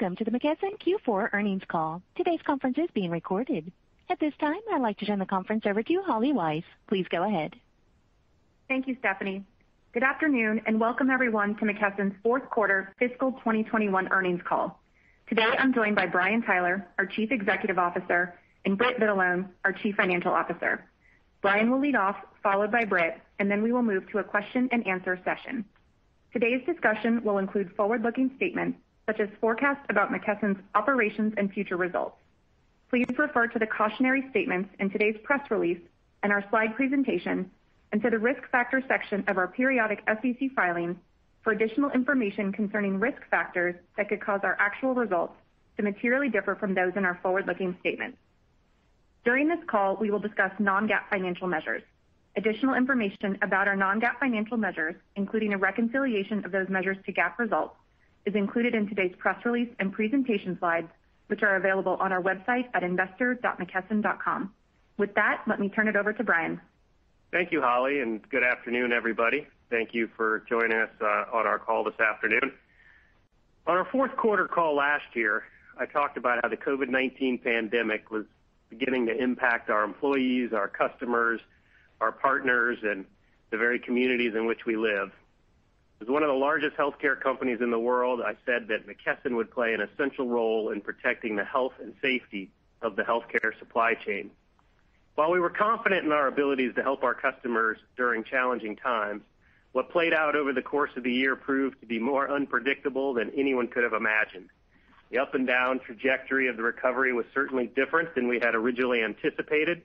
Welcome to the McKesson Q4 Earnings Call. Today's conference is being recorded. At this time, I'd like to turn the conference over to Holly Weiss. Please go ahead. Thank you, Stephanie. Good afternoon, and welcome everyone to McKesson's fourth quarter fiscal 2021 earnings call. Today I'm joined by Brian Tyler, our Chief Executive Officer, and Britt Vitalone, our Chief Financial Officer. Brian will lead off, followed by Britt, and then we will move to a question and answer session. Today's discussion will include forward-looking statements, such as forecasts about McKesson's operations and future results. Please refer to the cautionary statements in today's press release and our slide presentation, and to the Risk Factors section of our periodic SEC filings for additional information concerning risk factors that could cause our actual results to materially differ from those in our forward-looking statements. During this call, we will discuss Non-GAAP financial measures. Additional information about our Non-GAAP financial measures, including a reconciliation of those measures to GAAP results, is included in today's press release and presentation slides, which are available on our website at investor.mckesson.com. With that, let me turn it over to Brian. Thank you, Holly. Good afternoon, everybody. Thank you for joining us on our call this afternoon. On our fourth quarter call last year, I talked about how the COVID-19 pandemic was beginning to impact our employees, our customers, our partners, and the very communities in which we live. As one of the largest healthcare companies in the world, I said that McKesson would play an essential role in protecting the health and safety of the healthcare supply chain. While we were confident in our abilities to help our customers during challenging times, what played out over the course of the year proved to be more unpredictable than anyone could have imagined. The up and down trajectory of the recovery was certainly different than we had originally anticipated,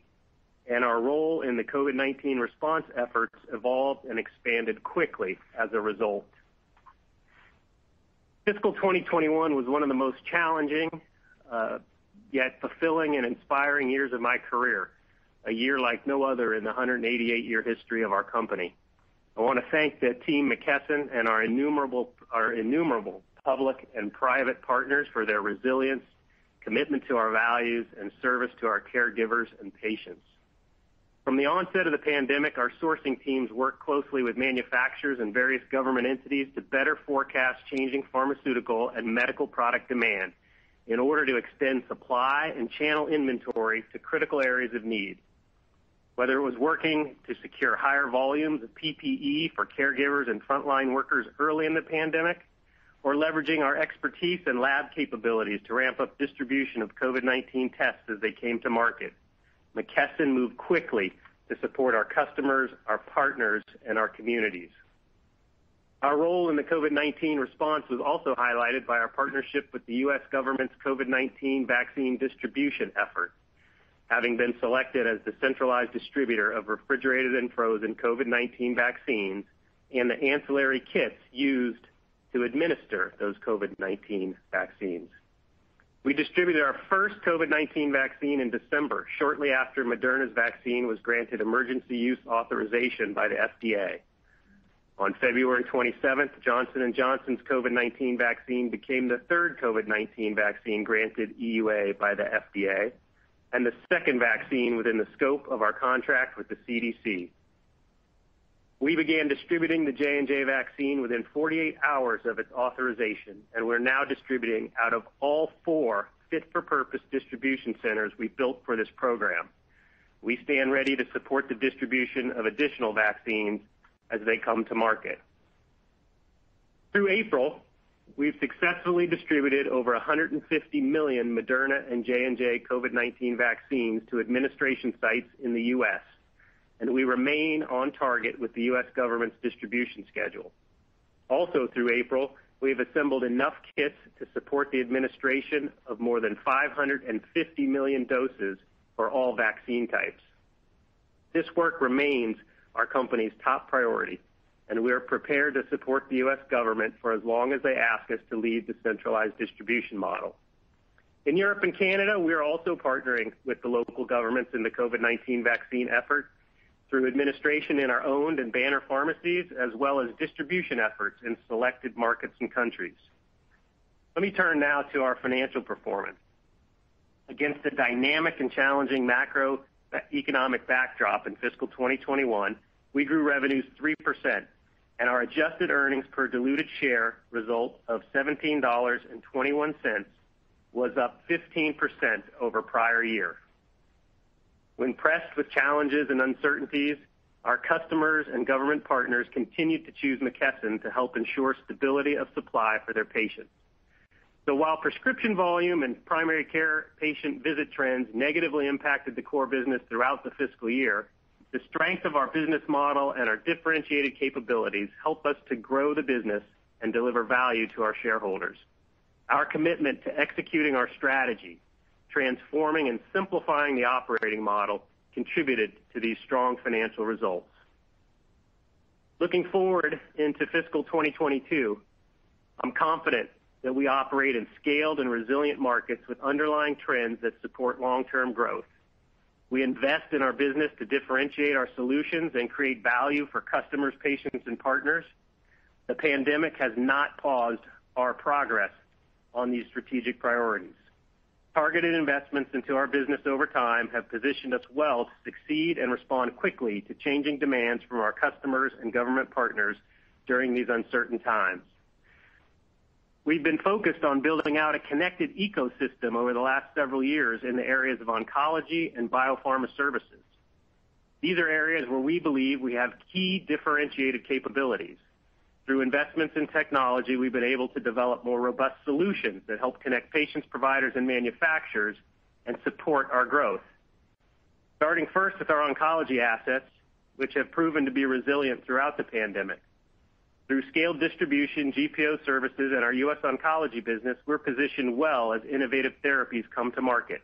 and our role in the COVID-19 response efforts evolved and expanded quickly as a result. Fiscal 2021 was one of the most challenging, yet fulfilling and inspiring years of my career. A year like no other in the 188-year history of our company. I want to thank the team McKesson and our innumerable public and private partners for their resilience, commitment to our values, and service to our caregivers and patients. From the onset of the pandemic, our sourcing teams worked closely with manufacturers and various government entities to better forecast changing pharmaceutical and medical product demand in order to extend supply and channel inventory to critical areas of need. Whether it was working to secure higher volumes of PPE for caregivers and frontline workers early in the pandemic, or leveraging our expertise and lab capabilities to ramp up distribution of COVID-19 tests as they came to market. McKesson moved quickly to support our customers, our partners, and our communities. Our role in the COVID-19 response was also highlighted by our partnership with the U.S. government's COVID-19 vaccine distribution effort, having been selected as the centralized distributor of refrigerated and frozen COVID-19 vaccines and the ancillary kits used to administer those COVID-19 vaccines. We distributed our first COVID-19 vaccine in December, shortly after Moderna's vaccine was granted emergency use authorization by the FDA. On February 27th, Johnson & Johnson's COVID-19 vaccine became the third COVID-19 vaccine granted EUA by the FDA, and the second vaccine within the scope of our contract with the CDC. We began distributing the J&J vaccine within 48 hours of its authorization, and we're now distributing out of all four fit-for-purpose distribution centers we built for this program. We stand ready to support the distribution of additional vaccines as they come to market. Through April, we've successfully distributed over 150 million Moderna and J&J COVID-19 vaccines to administration sites in the U.S., and we remain on target with the U.S. government's distribution schedule. Also, through April, we have assembled enough kits to support the administration of more than 550 million doses for all vaccine types. This work remains our company's top priority, and we are prepared to support the U.S. government for as long as they ask us to lead the centralized distribution model. In Europe and Canada, we are also partnering with the local governments in the COVID-19 vaccine effort through administration in our owned and banner pharmacies, as well as distribution efforts in selected markets and countries. Let me turn now to our financial performance. Against the dynamic and challenging macroeconomic backdrop in fiscal 2021, we grew revenues 3%, and our adjusted earnings per diluted share result of $17.21 was up 15% over prior year. When pressed with challenges and uncertainties, our customers and government partners continued to choose McKesson to help ensure stability of supply for their patients. While prescription volume and primary care patient visit trends negatively impacted the core business throughout the fiscal year, the strength of our business model and our differentiated capabilities help us to grow the business and deliver value to our shareholders. Our commitment to executing our strategy, transforming and simplifying the operating model, contributed to these strong financial results. Looking forward into fiscal 2022, I'm confident that we operate in scaled and resilient markets with underlying trends that support long-term growth. We invest in our business to differentiate our solutions and create value for customers, patients, and partners. The pandemic has not paused our progress on these strategic priorities. Targeted investments into our business over time have positioned us well to succeed and respond quickly to changing demands from our customers and government partners during these uncertain times. We've been focused on building out a connected ecosystem over the last several years in the areas of oncology and biopharma services. These are areas where we believe we have key differentiated capabilities. Through investments in technology, we've been able to develop more robust solutions that help connect patients, providers, and manufacturers and support our growth. Starting first with our oncology assets, which have proven to be resilient throughout the pandemic. Through scaled distribution, GPO services, and our US Oncology business, we're positioned well as innovative therapies come to market.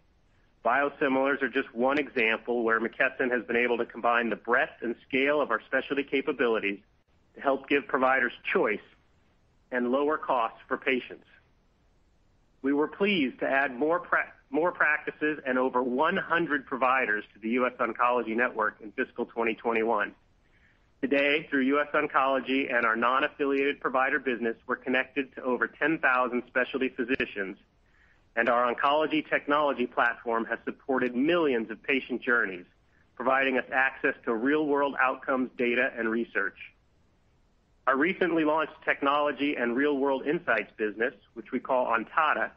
Biosimilars are just one example where McKesson has been able to combine the breadth and scale of our specialty capabilities to help give providers choice and lower costs for patients. We were pleased to add more practices and over 100 providers to The US Oncology Network in fiscal 2021. Today, through US Oncology and our non-affiliated provider business, we're connected to over 10,000 specialty physicians, and our oncology technology platform has supported millions of patient journeys, providing us access to real-world outcomes, data, and research. Our recently launched technology and real-world insights business, which we call Ontada,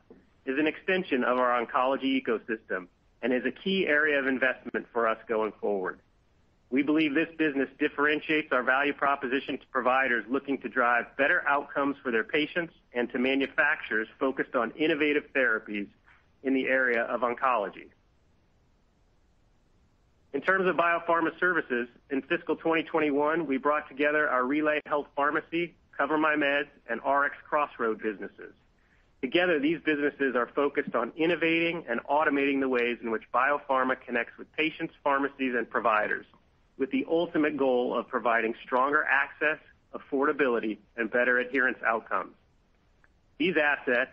is an extension of our oncology ecosystem and is a key area of investment for us going forward. We believe this business differentiates our value proposition to providers looking to drive better outcomes for their patients and to manufacturers focused on innovative therapies in the area of oncology. In terms of biopharma services, in fiscal 2021, we brought together our RelayHealth Pharmacy, CoverMyMeds, and RxCrossroads businesses. Together, these businesses are focused on innovating and automating the ways in which biopharma connects with patients, pharmacies, and providers with the ultimate goal of providing stronger access, affordability, and better adherence outcomes. These assets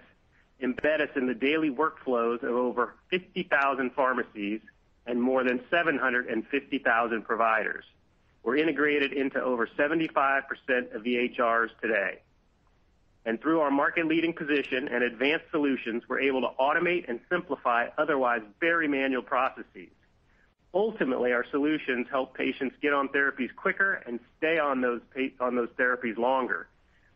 embed us in the daily workflows of over 50,000 pharmacies and more than 750,000 providers. We're integrated into over 75% of the EHRs today. Through our market-leading position and advanced solutions, we're able to automate and simplify otherwise very manual processes. Ultimately, our solutions help patients get on therapies quicker and stay on those therapies longer.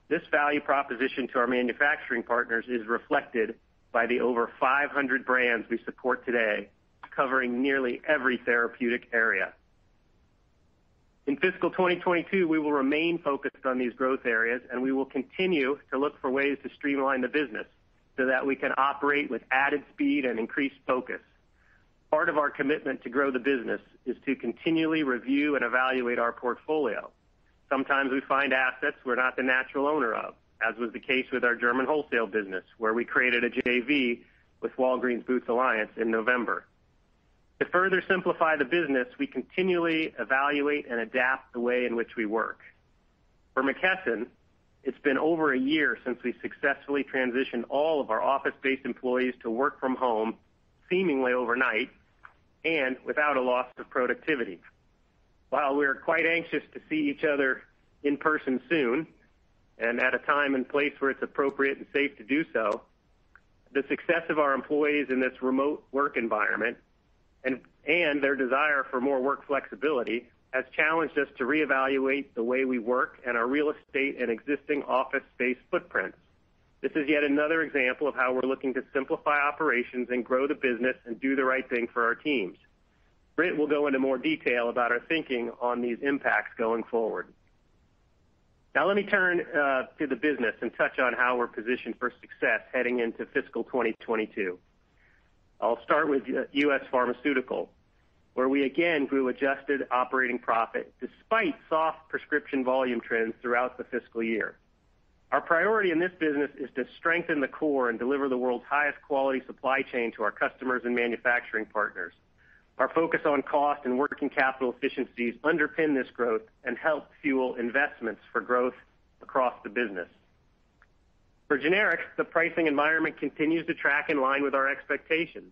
This value proposition to our manufacturing partners is reflected by the over 500 brands we support today, covering nearly every therapeutic area. In fiscal 2022, we will remain focused on these growth areas, we will continue to look for ways to streamline the business so that we can operate with added speed and increased focus. Part of our commitment to grow the business is to continually review and evaluate our portfolio. Sometimes we find assets we're not the natural owner of, as was the case with our German wholesale business, where we created a JV with Walgreens Boots Alliance in November. To further simplify the business, we continually evaluate and adapt the way in which we work. For McKesson, it's been over a year since we successfully transitioned all of our office-based employees to work from home seemingly overnight and without a loss of productivity. While we are quite anxious to see each other in person soon and at a time and place where it's appropriate and safe to do so, the success of our employees in this remote work environment and their desire for more work flexibility has challenged us to reevaluate the way we work and our real estate and existing office space footprint. This is yet another example of how we're looking to simplify operations and grow the business and do the right thing for our teams. Britt will go into more detail about our thinking on these impacts going forward. Let me turn to the business and touch on how we're positioned for success heading into fiscal 2022. I'll start with U.S. Pharmaceutical, where we again grew adjusted operating profit despite soft prescription volume trends throughout the fiscal year. Our priority in this business is to strengthen the core and deliver the world's highest quality supply chain to our customers and manufacturing partners. Our focus on cost and working capital efficiencies underpin this growth and help fuel investments for growth across the business. For generics, the pricing environment continues to track in line with our expectations.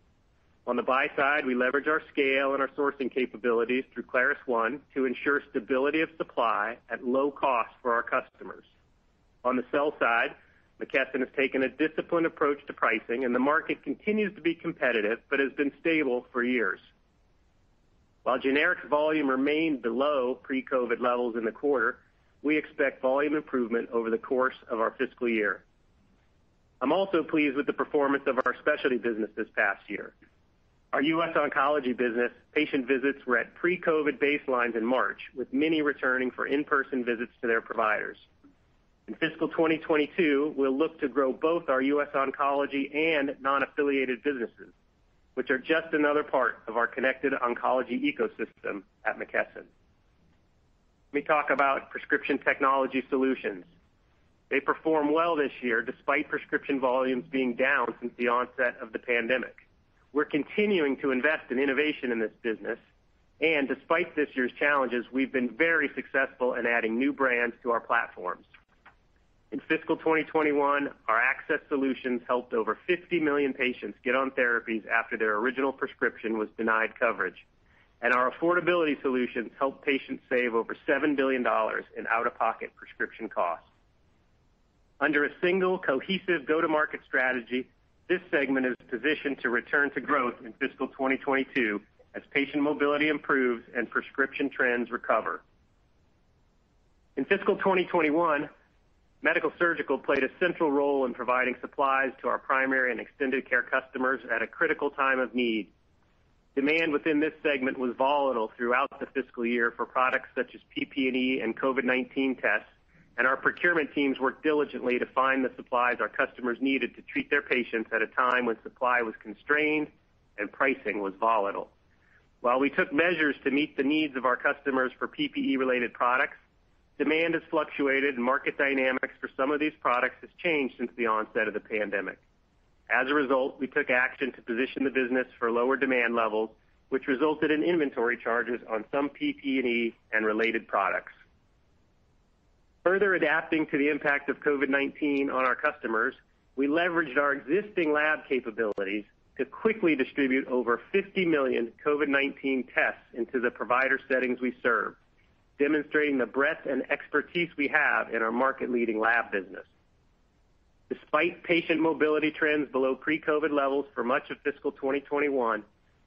On the buy side, we leverage our scale and our sourcing capabilities through ClarusONE to ensure stability of supply at low cost for our customers. On the sell side, McKesson has taken a disciplined approach to pricing, and the market continues to be competitive but has been stable for years. While generics volume remained below pre-COVID-19 levels in the quarter, we expect volume improvement over the course of our fiscal year. I'm also pleased with the performance of our specialty business this past year. Our U.S. Oncology business patient visits were at pre-COVID-19 baselines in March, with many returning for in-person visits to their providers. In FY 2022, we'll look to grow both our U.S. Oncology and non-affiliated businesses, which are just another part of our connected oncology ecosystem at McKesson. Let me talk about prescription technology solutions. They performed well this year despite prescription volumes being down since the onset of the pandemic. We're continuing to invest in innovation in this business, and despite this year's challenges, we've been very successful in adding new brands to our platforms. In FY 2021, our access solutions helped over 50 million patients get on therapies after their original prescription was denied coverage. Our affordability solutions helped patients save over $7 billion in out-of-pocket prescription costs. Under a single cohesive go-to-market strategy, this segment is positioned to return to growth in fiscal 2022 as patient mobility improves and prescription trends recover. In fiscal 2021, Medical-Surgical played a central role in providing supplies to our primary and extended care customers at a critical time of need. Demand within this segment was volatile throughout the fiscal year for products such as PPE and COVID-19 tests, and our procurement teams worked diligently to find the supplies our customers needed to treat their patients at a time when supply was constrained and pricing was volatile. While we took measures to meet the needs of our customers for PPE related products, demand has fluctuated, and market dynamics for some of these products has changed since the onset of the pandemic. We took action to position the business for lower demand levels, which resulted in inventory charges on some PPE and related products. Further adapting to the impact of COVID-19 on our customers, we leveraged our existing lab capabilities to quickly distribute over 50 million COVID-19 tests into the provider settings we serve, demonstrating the breadth and expertise we have in our market-leading lab business. Despite patient mobility trends below pre-COVID-19 levels for much of fiscal 2021,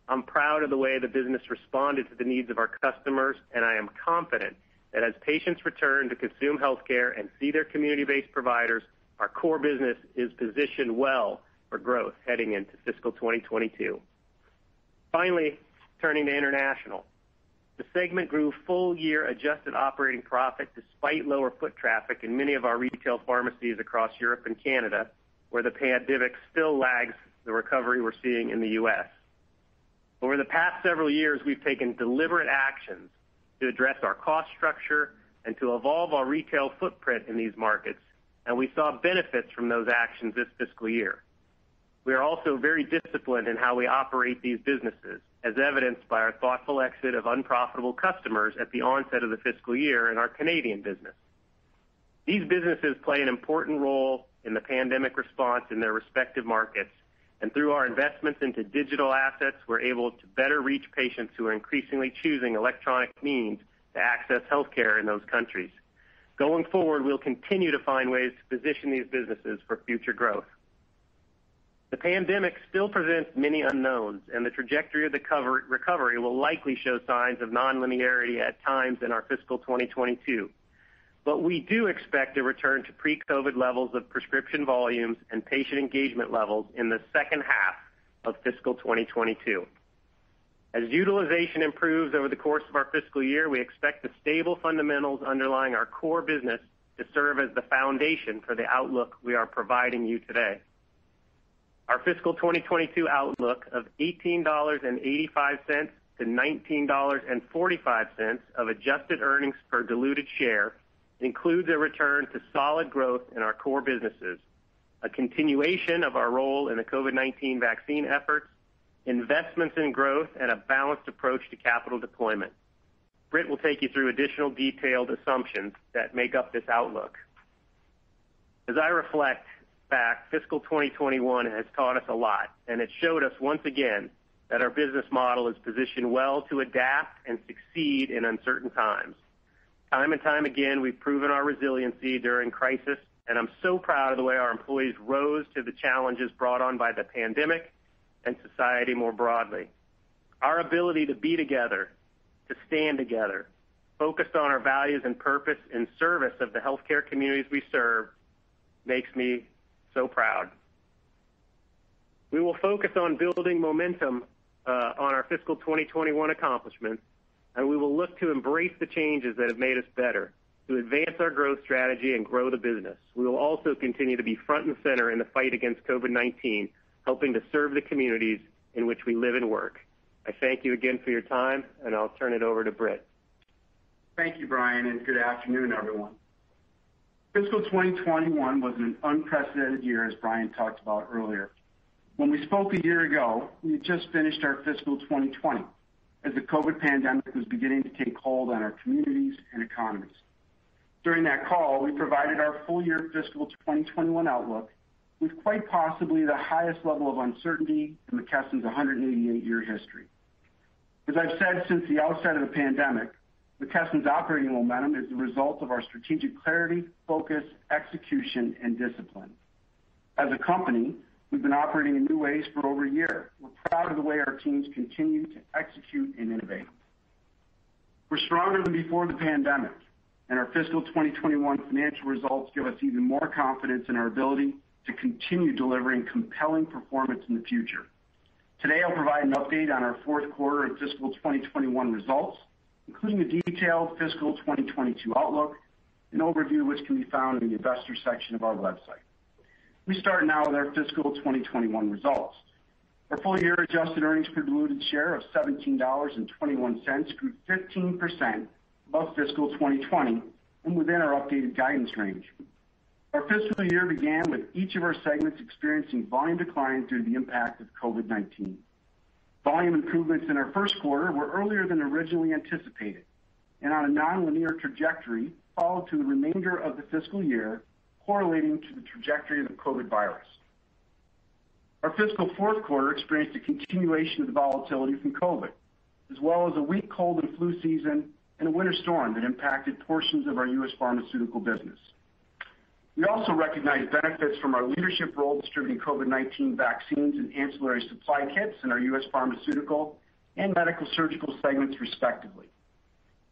I'm proud of the way the business responded to the needs of our customers. I am confident that as patients return to consume healthcare and see their community-based providers, our core business is positioned well for growth heading into fiscal 2022. Turning to international. The segment grew full year adjusted operating profit despite lower foot traffic in many of our retail pharmacies across Europe and Canada, where the pandemic still lags the recovery we're seeing in the U.S. Over the past several years, we've taken deliberate actions to address our cost structure and to evolve our retail footprint in these markets. We saw benefits from those actions this fiscal year. We are also very disciplined in how we operate these businesses, as evidenced by our thoughtful exit of unprofitable customers at the onset of the fiscal year in our Canadian business. These businesses play an important role in the pandemic response in their respective markets. Through our investments into digital assets, we're able to better reach patients who are increasingly choosing electronic means to access healthcare in those countries. Going forward, we'll continue to find ways to position these businesses for future growth. The pandemic still presents many unknowns. The trajectory of the recovery will likely show signs of non-linearity at times in our fiscal 2022. We do expect a return to pre-COVID levels of prescription volumes and patient engagement levels in the second half of fiscal 2022. As utilization improves over the course of our fiscal year, we expect the stable fundamentals underlying our core business to serve as the foundation for the outlook we are providing you today. Our fiscal 2022 outlook of $18.85 - $19.45 of adjusted earnings per diluted share includes a return to solid growth in our core businesses, a continuation of our role in the COVID-19 vaccine efforts, investments in growth, and a balanced approach to capital deployment. Britt will take you through additional detailed assumptions that make up this outlook. As I reflect back, fiscal 2021 has taught us a lot, and it showed us once again that our business model is positioned well to adapt and succeed in uncertain times. Time and time again, we've proven our resiliency during crisis, and I'm so proud of the way our employees rose to the challenges brought on by the pandemic and society more broadly. Our ability to be together, to stand together, focused on our values and purpose in service of the healthcare communities we serve, makes me so proud. We will focus on building momentum on our fiscal 2021 accomplishments, and we will look to embrace the changes that have made us better to advance our growth strategy and grow the business. We will also continue to be front and center in the fight against COVID-19, helping to serve the communities in which we live and work. I thank you again for your time, and I'll turn it over to Britt. Thank you, Brian, and good afternoon, everyone. Fiscal 2021 was an unprecedented year, as Brian talked about earlier. When we spoke a year ago, we had just finished our fiscal 2020 as the COVID-19 pandemic was beginning to take hold on our communities and economies. During that call, we provided our full year fiscal 2021 outlook with quite possibly the highest level of uncertainty in McKesson's 188-year history. As I've said since the outset of the pandemic, McKesson's operating momentum is the result of our strategic clarity, focus, execution, and discipline. As a company, we've been operating in new ways for over a year. We're proud of the way our teams continue to execute and innovate. We're stronger than before the pandemic, and our fiscal 2021 financial results give us even more confidence in our ability to continue delivering compelling performance in the future. Today, I'll provide an update on our fourth quarter and fiscal 2021 results, including a detailed fiscal 2022 outlook, an overview which can be found in the investor section of our website. We start now with our fiscal 2021 results. Our full-year adjusted earnings per diluted share of $17.21 grew 15% above fiscal 2020 and within our updated guidance range. Our fiscal year began with each of our segments experiencing volume decline due to the impact of COVID-19. Volume improvements in our first quarter were earlier than originally anticipated and on a nonlinear trajectory followed through the remainder of the fiscal year, correlating to the trajectory of the COVID virus. Our fiscal fourth quarter experienced a continuation of the volatility from COVID, as well as a weak cold and flu season and a winter storm that impacted portions of our U.S. Pharmaceutical business. We also recognized benefits from our leadership role distributing COVID-19 vaccines and ancillary supply kits in our U.S. Pharmaceutical and medical surgical segments, respectively.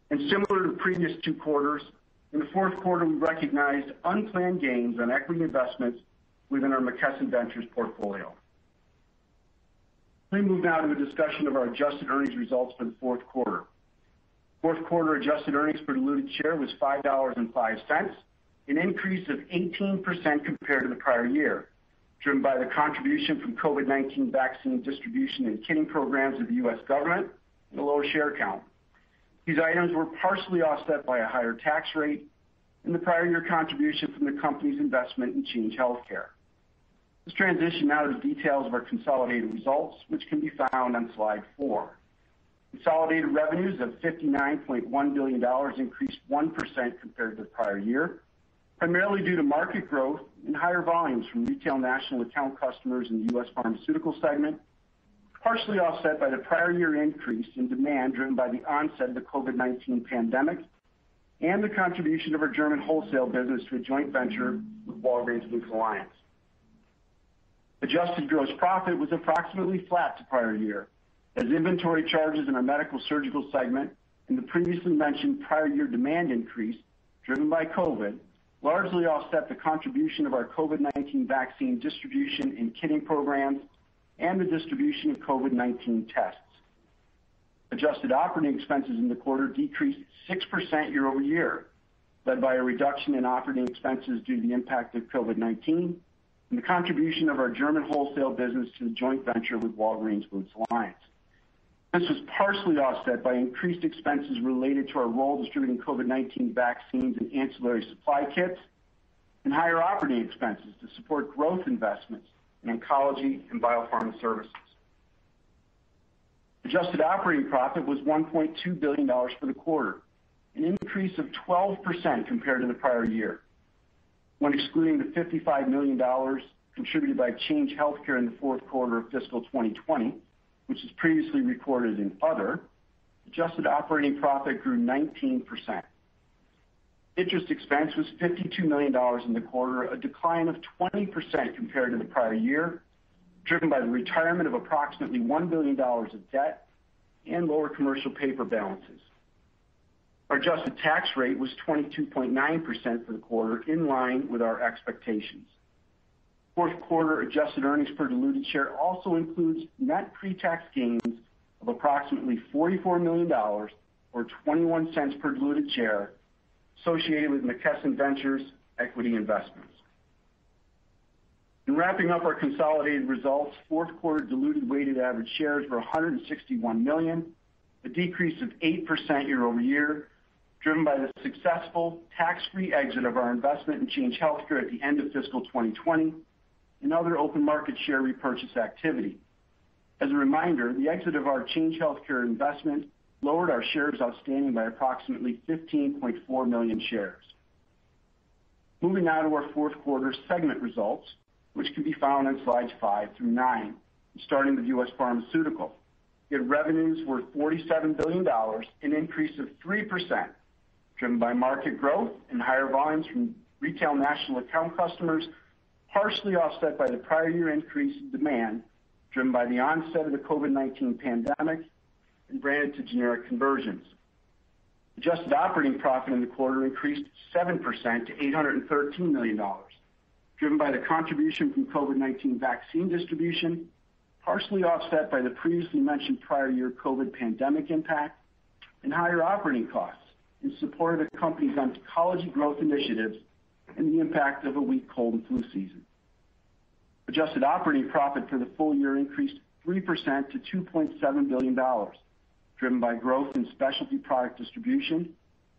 Similar to the previous two quarters, in the fourth quarter, we recognized unplanned gains on equity investments within our McKesson Ventures portfolio. Let me move now to a discussion of our adjusted earnings results for the fourth quarter. Fourth quarter adjusted earnings per diluted share was $5.05, an increase of 18% compared to the prior year, driven by the contribution from COVID-19 vaccine distribution and kitting programs of the U.S. government and a lower share count. These items were partially offset by a higher tax rate and the prior year contribution from the company's investment in Change Healthcare. Let's transition now to the details of our consolidated results, which can be found on slide four. Consolidated revenues of $59.1 billion increased 1% compared to the prior year, primarily due to market growth and higher volumes from retail national account customers in the U.S. Pharmaceutical segment, partially offset by the prior year increase in demand driven by the onset of the COVID-19 pandemic and the contribution of our German wholesale business to a joint venture with Walgreens Boots Alliance. Adjusted gross profit was approximately flat to prior year, as inventory charges in our medical surgical segment and the previously mentioned prior year demand increase driven by COVID largely offset the contribution of our COVID-19 vaccine distribution and kitting programs and the distribution of COVID-19 tests. Adjusted operating expenses in the quarter decreased 6% year-over-year, led by a reduction in operating expenses due to the impact of COVID-19 and the contribution of our German wholesale business to the joint venture with Walgreens Boots Alliance. This was partially offset by increased expenses related to our role distributing COVID-19 vaccines and ancillary supply kits and higher operating expenses to support growth investments in oncology and biopharma services. Adjusted operating profit was $1.2 billion for the quarter, an increase of 12% compared to the prior year. When excluding the $55 million contributed by Change Healthcare in the fourth quarter of fiscal 2020, which was previously recorded in other, adjusted operating profit grew 19%. Interest expense was $52 million in the quarter, a decline of 20% compared to the prior year, driven by the retirement of approximately $1 billion of debt and lower commercial paper balances. Our adjusted tax rate was 22.9% for the quarter, in line with our expectations. Fourth quarter adjusted earnings per diluted share also includes net pre-tax gains of approximately $44 million, or $0.21 per diluted share, associated with McKesson Ventures equity investments. In wrapping up our consolidated results, fourth quarter diluted weighted average shares were 161 million, a decrease of 8% year-over-year, driven by the successful tax-free exit of our investment in Change Healthcare at the end of fiscal 2020 and other open market share repurchase activity. As a reminder, the exit of our Change Healthcare investment lowered our shares outstanding by approximately 15.4 million shares. Moving now to our fourth quarter segment results, which can be found on slides five through nine, starting with U.S. Pharmaceutical. Its revenues were $47 billion, an increase of 3%, driven by market growth and higher volumes from retail national account customers, partially offset by the prior year increase in demand driven by the onset of the COVID-19 pandemic and brand to generic conversions. Adjusted operating profit in the quarter increased 7% to $813 million, driven by the contribution from COVID-19 vaccine distribution, partially offset by the previously mentioned prior year COVID pandemic impact and higher operating costs in support of the company's oncology growth initiatives and the impact of a weak cold and flu season. Adjusted operating profit for the full year increased 3% to $2.7 billion, driven by growth in specialty product distribution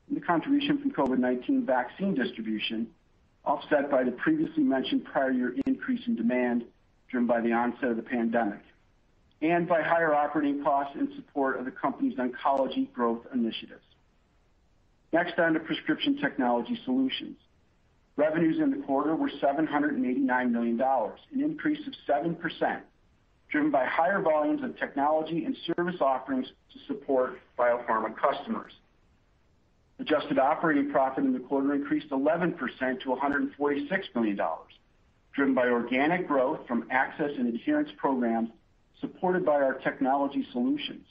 and the contribution from COVID-19 vaccine distribution, offset by the previously mentioned prior year increase in demand driven by the onset of the pandemic, and by higher operating costs in support of the company's oncology growth initiatives. Next on to prescription technology solutions. Revenues in the quarter were $789 million, an increase of 7%, driven by higher volumes of technology and service offerings to support biopharma customers. Adjusted operating profit in the quarter increased 11% to $146 million, driven by organic growth from access and adherence programs supported by our technology solutions.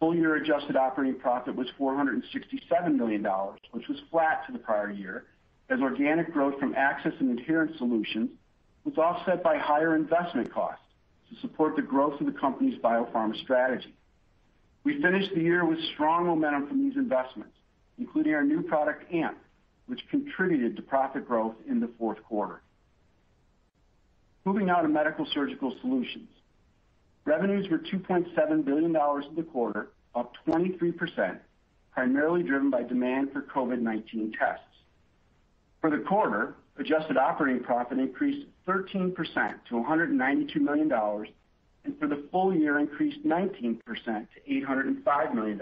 Full year adjusted operating profit was $467 million, which was flat to the prior year, as organic growth from access and adherence solutions was offset by higher investment costs to support the growth of the company's biopharma strategy. We finished the year with strong momentum from these investments, including our new product, AMP, which contributed to profit growth in the fourth quarter. Moving now to medical surgical solutions. Revenues were $2.7 billion in the quarter, up 23%, primarily driven by demand for COVID-19 tests. For the quarter, adjusted operating profit increased 13% to $192 million, and for the full year, increased 19% to $805 million.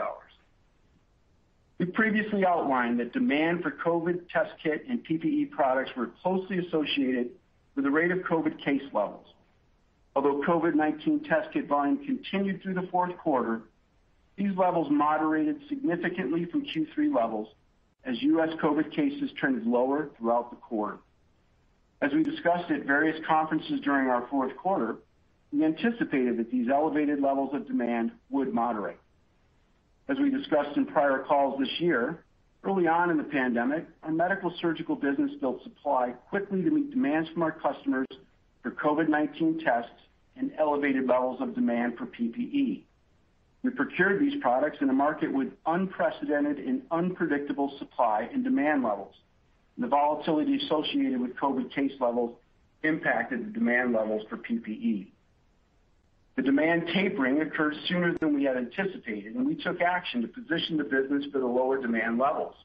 We previously outlined that demand for COVID test kit and PPE products were closely associated with the rate of COVID case levels. Although COVID-19 test kit volume continued through the fourth quarter, these levels moderated significantly from Q3 levels as U.S. COVID cases trended lower throughout the quarter. As we discussed at various conferences during our fourth quarter, we anticipated that these elevated levels of demand would moderate. As we discussed in prior calls this year, early on in the pandemic, our medical surgical business built supply quickly to meet demands from our customers for COVID-19 tests and elevated levels of demand for PPE. We procured these products in a market with unprecedented and unpredictable supply and demand levels, and the volatility associated with COVID-19 case levels impacted the demand levels for PPE. The demand tapering occurred sooner than we had anticipated, and we took action to position the business for the lower demand levels.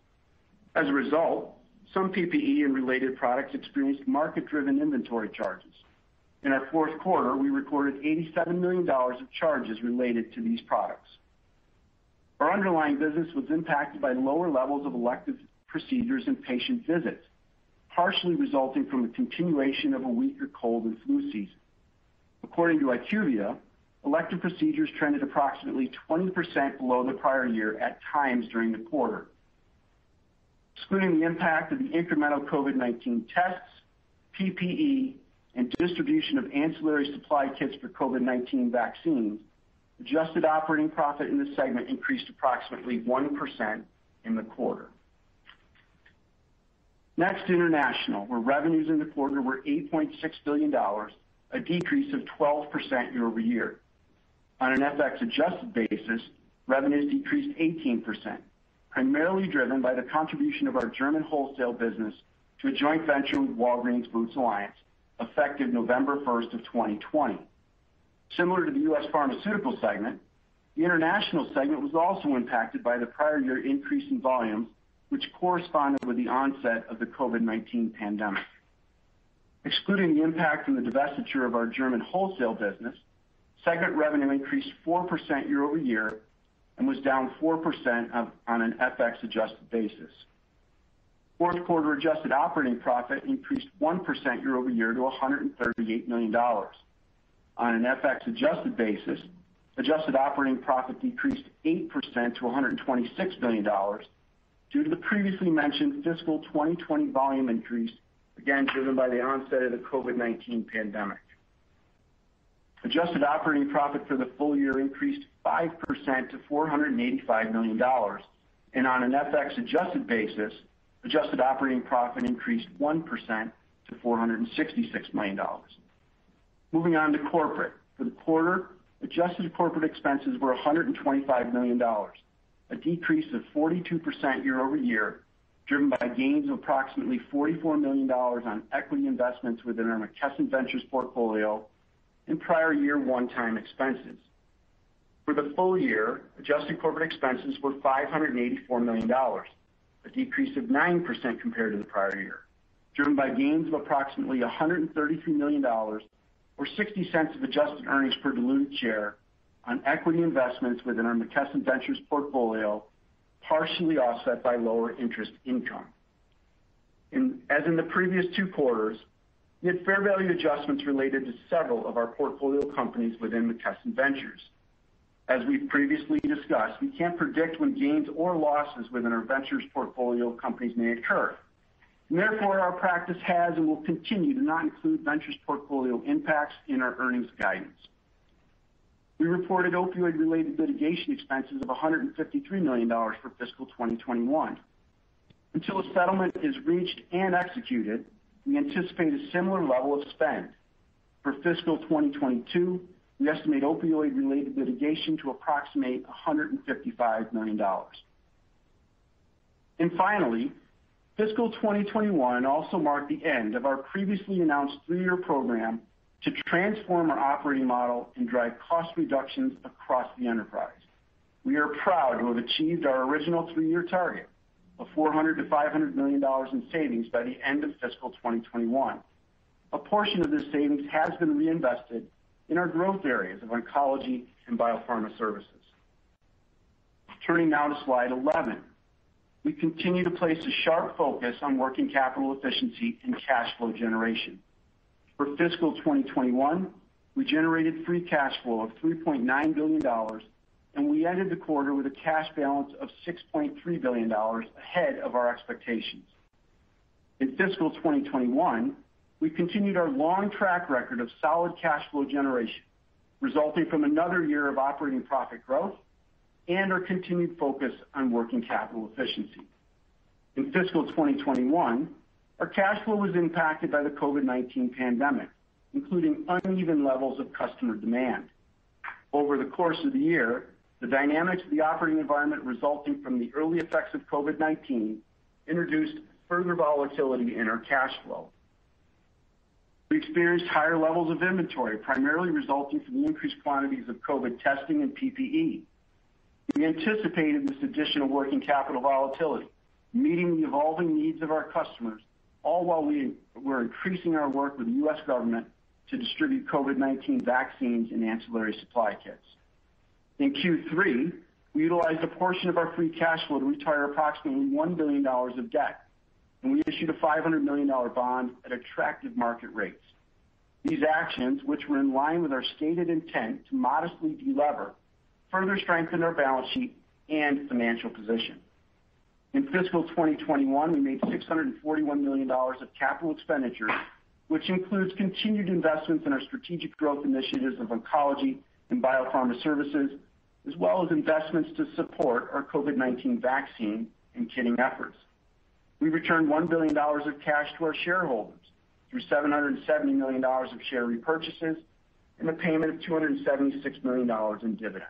As a result, some PPE and related products experienced market-driven inventory charges. In our fourth quarter, we recorded $87 million of charges related to these products. Our underlying business was impacted by lower levels of elective procedures and patient visits, partially resulting from the continuation of a weaker cold and flu season. According to IQVIA, elective procedures trended approximately 20% below the prior year at times during the quarter. Excluding the impact of the incremental COVID-19 tests, PPE, and distribution of ancillary supply kits for COVID-19 vaccines, adjusted operating profit in the segment increased approximately 1% in the quarter. Next, International, where revenues in the quarter were $8.6 billion, a decrease of 12% year-over-year. On an FX adjusted basis, revenues decreased 18%, primarily driven by the contribution of our German wholesale business to a joint venture with Walgreens Boots Alliance effective November 1st of 2020. Similar to the U.S. Pharmaceutical segment, the International segment was also impacted by the prior year increase in volume, which corresponded with the onset of the COVID-19 pandemic. Excluding the impact from the divestiture of our German wholesale business, segment revenue increased 4% year-over-year and was down 4% on an FX adjusted basis. Fourth quarter adjusted operating profit increased 1% year-over-year to $138 million. On an FX adjusted basis, adjusted operating profit decreased 8% to $126 million due to the previously mentioned fiscal 2020 volume increase, again, driven by the onset of the COVID-19 pandemic. Adjusted operating profit for the full year increased 5% to $485 million, and on an FX adjusted basis, adjusted operating profit increased 1% to $466 million. Moving on to corporate. For the quarter, adjusted corporate expenses were $125 million, a decrease of 42% year-over-year, driven by gains of approximately $44 million on equity investments within our McKesson Ventures portfolio in prior year one-time expenses. For the full year, adjusted corporate expenses were $584 million, a decrease of 9% compared to the prior year, driven by gains of approximately $133 million or $0.60 of adjusted earnings per diluted share on equity investments within our McKesson Ventures portfolio, partially offset by lower interest income. As in the previous two quarters, we had fair value adjustments related to several of our portfolio companies within McKesson Ventures. As we've previously discussed, we can't predict when gains or losses within our ventures portfolio companies may occur. Therefore, our practice has and will continue to not include ventures portfolio impacts in our earnings guidance. We reported opioid-related litigation expenses of $153 million for fiscal 2021. Until a settlement is reached and executed, we anticipate a similar level of spend. For fiscal 2022, we estimate opioid-related litigation to approximate $155 million. Finally, fiscal 2021 also marked the end of our previously announced three-year program to transform our operating model and drive cost reductions across the enterprise. We are proud to have achieved our original three-year target of $400 million-$500 million in savings by the end of fiscal 2021. A portion of this savings has been reinvested in our growth areas of oncology and biopharma services. Turning now to slide 11. We continue to place a sharp focus on working capital efficiency and cash flow generation. For fiscal 2021, we generated free cash flow of $3.9 billion, and we ended the quarter with a cash balance of $6.3 billion ahead of our expectations. In fiscal 2021, we continued our long track record of solid cash flow generation, resulting from another year of operating profit growth and our continued focus on working capital efficiency. In fiscal 2021, our cash flow was impacted by the COVID-19 pandemic, including uneven levels of customer demand. Over the course of the year, the dynamics of the operating environment resulting from the early effects of COVID-19 introduced further volatility in our cash flow. We experienced higher levels of inventory, primarily resulting from increased quantities of COVID testing and PPE. We anticipated this additional working capital volatility, meeting the evolving needs of our customers, all while we're increasing our work with the U.S. government to distribute COVID-19 vaccines and ancillary supply kits. In Q3, we utilized a portion of our free cash flow to retire approximately $1 billion of debt. We issued a $500 million bond at attractive market rates. These actions, which were in line with our stated intent to modestly de-lever, further strengthen our balance sheet and financial position. In fiscal 2021, we made $641 million of capital expenditures, which includes continued investments in our strategic growth initiatives of oncology and biopharma services, as well as investments to support our COVID-19 vaccine and kitting efforts. We returned $1 billion of cash to our shareholders through $770 million of share repurchases and a payment of $276 million in dividends.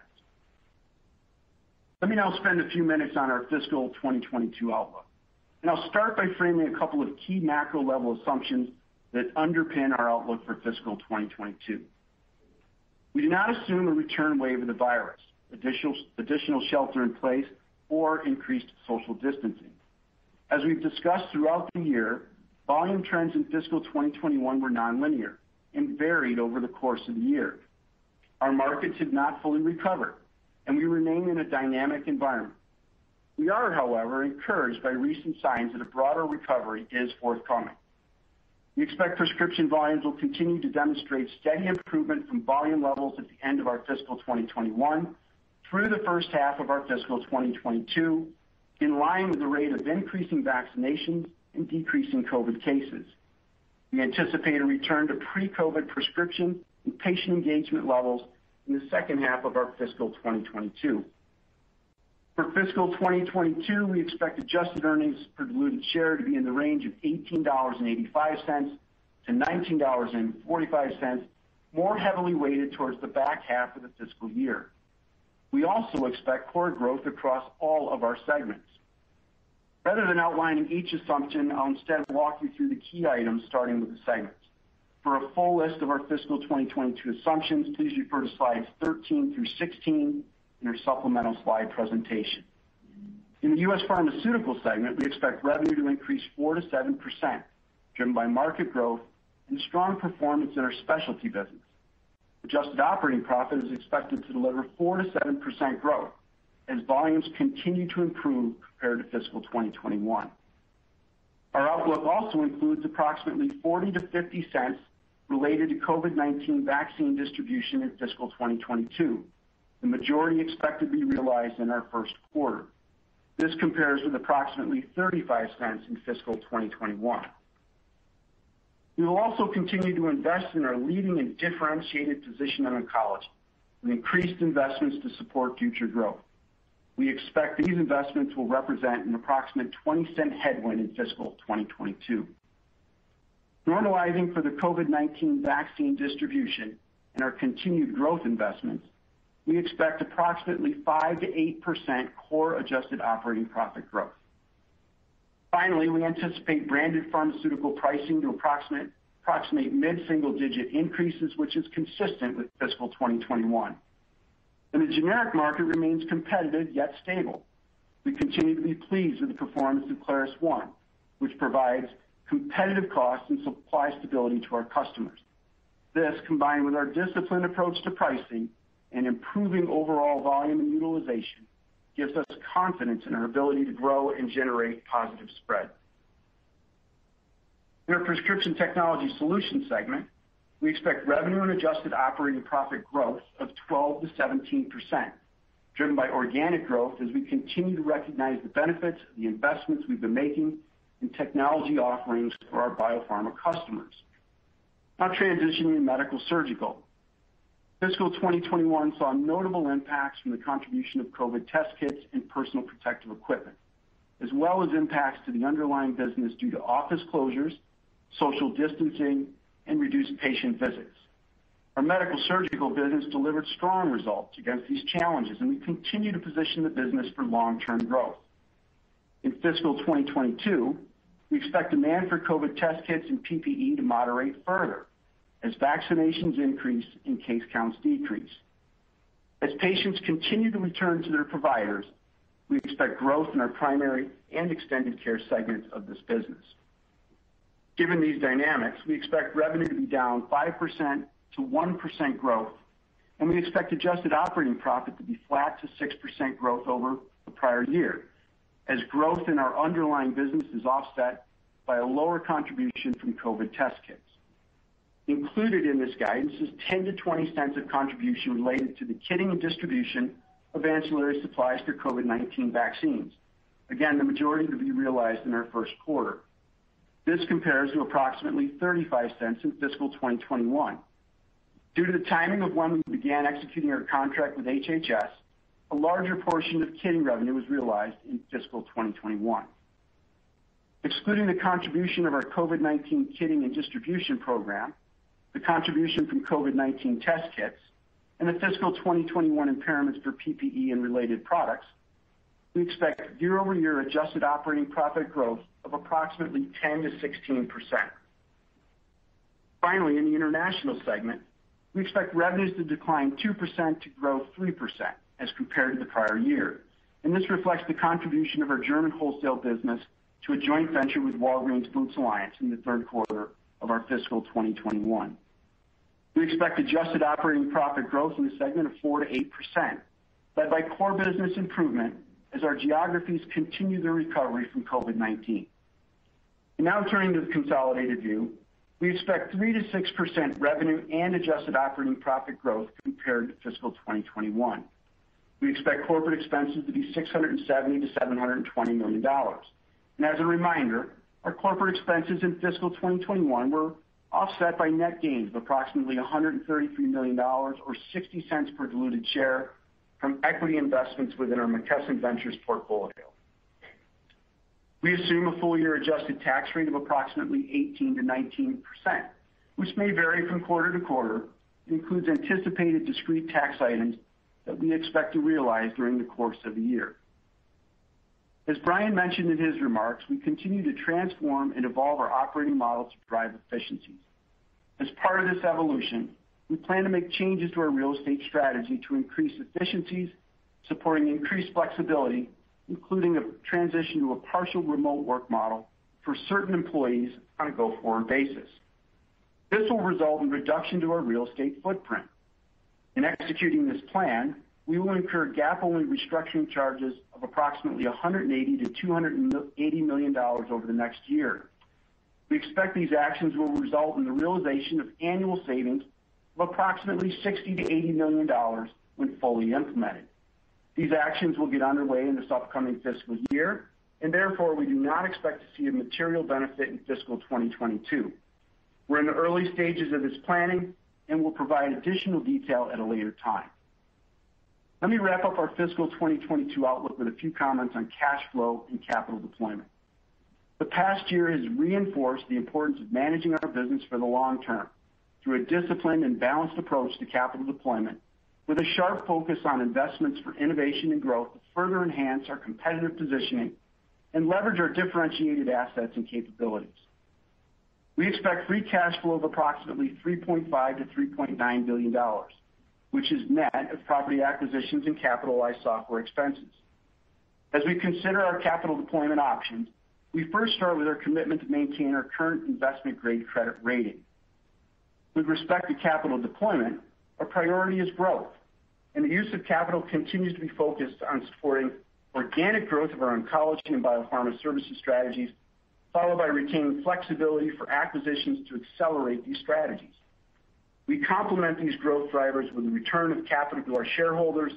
Let me now spend a few minutes on our fiscal 2022 outlook, and I'll start by framing a couple of key macro-level assumptions that underpin our outlook for fiscal 2022. We do not assume a return wave of the virus, additional shelter in place, or increased social distancing. As we've discussed throughout the year, volume trends in fiscal 2021 were nonlinear and varied over the course of the year. Our markets have not fully recovered, and we remain in a dynamic environment. We are, however, encouraged by recent signs that a broader recovery is forthcoming. We expect prescription volumes will continue to demonstrate steady improvement from volume levels at the end of our fiscal 2021 through the first half of our fiscal 2022, in line with the rate of increasing vaccinations and decreasing COVID cases. We anticipate a return to pre-COVID-19 prescription and patient engagement levels in the second half of our fiscal 2022. For fiscal 2022, we expect adjusted earnings per diluted share to be in the range of $18.85-$19.45, more heavily weighted towards the back half of the fiscal year. We also expect core growth across all of our segments. Rather than outlining each assumption, I'll instead walk you through the key items, starting with the segments. For a full list of our fiscal 2022 assumptions, please refer to slides 13 through 16 in our supplemental slide presentation. In the U.S. Pharmaceutical segment, we expect revenue to increase 4%-7%, driven by market growth and strong performance in our specialty business. Adjusted Operating Profit is expected to deliver 4%-7% growth as volumes continue to improve compared to fiscal 2021. Our outlook also includes approximately $0.40-$0.50 related to COVID-19 vaccine distribution in fiscal 2022, the majority expected to be realized in our first quarter. This compares with approximately $0.35 in fiscal 2021. We will also continue to invest in our leading and differentiated position in oncology with increased investments to support future growth. We expect these investments will represent an approximate $0.20 headwind in fiscal 2022. Normalizing for the COVID-19 vaccine distribution and our continued growth investments, we expect approximately 5%-8% core adjusted operating profit growth. Finally, we anticipate branded pharmaceutical pricing to approximate mid-single-digit increases, which is consistent with fiscal 2021. The generic market remains competitive, yet stable. We continue to be pleased with the performance of ClarusONE, which provides competitive costs and supply stability to our customers. This, combined with our disciplined approach to pricing and improving overall volume and utilization, gives us confidence in our ability to grow and generate positive spread. In our prescription technology solutions segment, we expect revenue and adjusted operating profit growth of 12%-17%, driven by organic growth as we continue to recognize the benefits of the investments we've been making in technology offerings for our biopharma customers. Now transitioning to Medical Surgical. FY 2021 saw notable impacts from the contribution of COVID test kits and personal protective equipment, as well as impacts to the underlying business due to office closures, social distancing, and reduced patient visits. Our Medical Surgical business delivered strong results against these challenges, and we continue to position the business for long-term growth. In FY 2022, we expect demand for COVID test kits and PPE to moderate further as vaccinations increase and case counts decrease. As patients continue to return to their providers, we expect growth in our primary and extended care segments of this business. Given these dynamics, we expect revenue to be down 5%-1% growth, and we expect adjusted operating profit to be flat to 6% growth over the prior year as growth in our underlying business is offset by a lower contribution from COVID test kits. Included in this guidance is $0.10-$0.20 of contribution related to the kitting and distribution of ancillary supplies for COVID-19 vaccines. Again, the majority to be realized in our first quarter. This compares to approximately $0.35 in fiscal 2021. Due to the timing of when we began executing our contract with HHS, a larger portion of kitting revenue was realized in fiscal 2021. Excluding the contribution of our COVID-19 kitting and distribution program, the contribution from COVID-19 test kits, and the fiscal 2021 impairments for PPE and related products, we expect year-over-year adjusted operating profit growth of approximately 10%-16%. Finally, in the international segment, we expect revenues to decline 2% to growth 3% as compared to the prior year. This reflects the contribution of our German wholesale business to a joint venture with Walgreens Boots Alliance in the third quarter of our fiscal 2021. We expect adjusted operating profit growth in the segment of 4%-8%, led by core business improvement as our geographies continue their recovery from COVID-19. Now turning to the consolidated view, we expect 3%-6% revenue and adjusted operating profit growth compared to fiscal 2021. We expect corporate expenses to be $670 million-$720 million. As a reminder, our corporate expenses in fiscal 2021 were offset by net gains of approximately $133 million or $0.60 per diluted share from equity investments within our McKesson Ventures portfolio. We assume a full-year adjusted tax rate of approximately 18%-19%, which may vary from quarter to quarter and includes anticipated discrete tax items that we expect to realize during the course of the year. As Brian mentioned in his remarks, we continue to transform and evolve our operating model to drive efficiencies. As part of this evolution, we plan to make changes to our real estate strategy to increase efficiencies, supporting increased flexibility, including a transition to a partial remote work model for certain employees on a go-forward basis. This will result in reduction to our real estate footprint. In executing this plan, we will incur GAAP-only restructuring charges of approximately $180 million-280 million over the next year. We expect these actions will result in the realization of annual savings of approximately $60 million-80 million when fully implemented. These actions will get underway in this upcoming fiscal year, therefore, we do not expect to see a material benefit in fiscal 2022. We're in the early stages of this planning and will provide additional detail at a later time. Let me wrap up our fiscal 2022 outlook with a few comments on cash flow and capital deployment. The past year has reinforced the importance of managing our business for the long term through a disciplined and balanced approach to capital deployment with a sharp focus on investments for innovation and growth to further enhance our competitive positioning and leverage our differentiated assets and capabilities. We expect free cash flow of approximately $3.5 billion-3.9 billion, which is net of property acquisitions and capitalized software expenses. As we consider our capital deployment options, we first start with our commitment to maintain our current investment-grade credit rating. With respect to capital deployment, our priority is growth, and the use of capital continues to be focused on supporting organic growth of our oncology and biopharma services strategies, followed by retaining flexibility for acquisitions to accelerate these strategies. We complement these growth drivers with a return of capital to our shareholders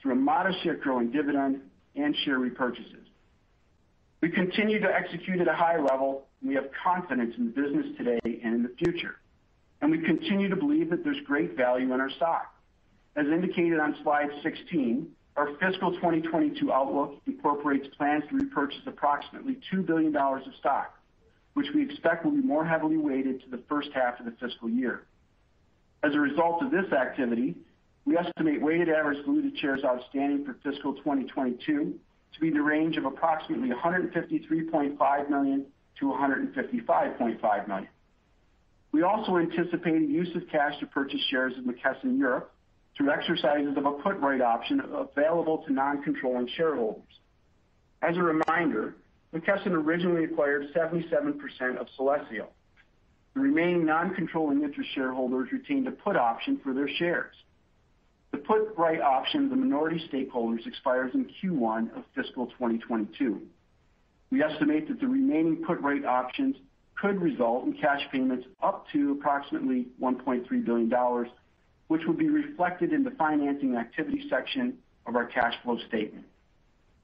through a modest yet growing dividend and share repurchases. We continue to execute at a high level, and we have confidence in the business today and in the future. We continue to believe that there's great value in our stock. As indicated on slide 16, our fiscal 2022 outlook incorporates plans to repurchase approximately $2 billion of stock, which we expect will be more heavily weighted to the first half of the fiscal year. As a result of this activity, we estimate weighted average diluted shares outstanding for fiscal 2022 to be in the range of approximately $153.5 million-155.5 million. We also anticipate use of cash to purchase shares of McKesson Europe through exercises of a put right option available to non-controlling shareholders. As a reminder, McKesson originally acquired 77% of Celesio. The remaining non-controlling interest shareholders retained a put option for their shares. The put right option of the minority stakeholders expires in Q1 of fiscal 2022. We estimate that the remaining put right options could result in cash payments up to approximately $1.3 billion, which will be reflected in the financing activity section of our cash flow statement.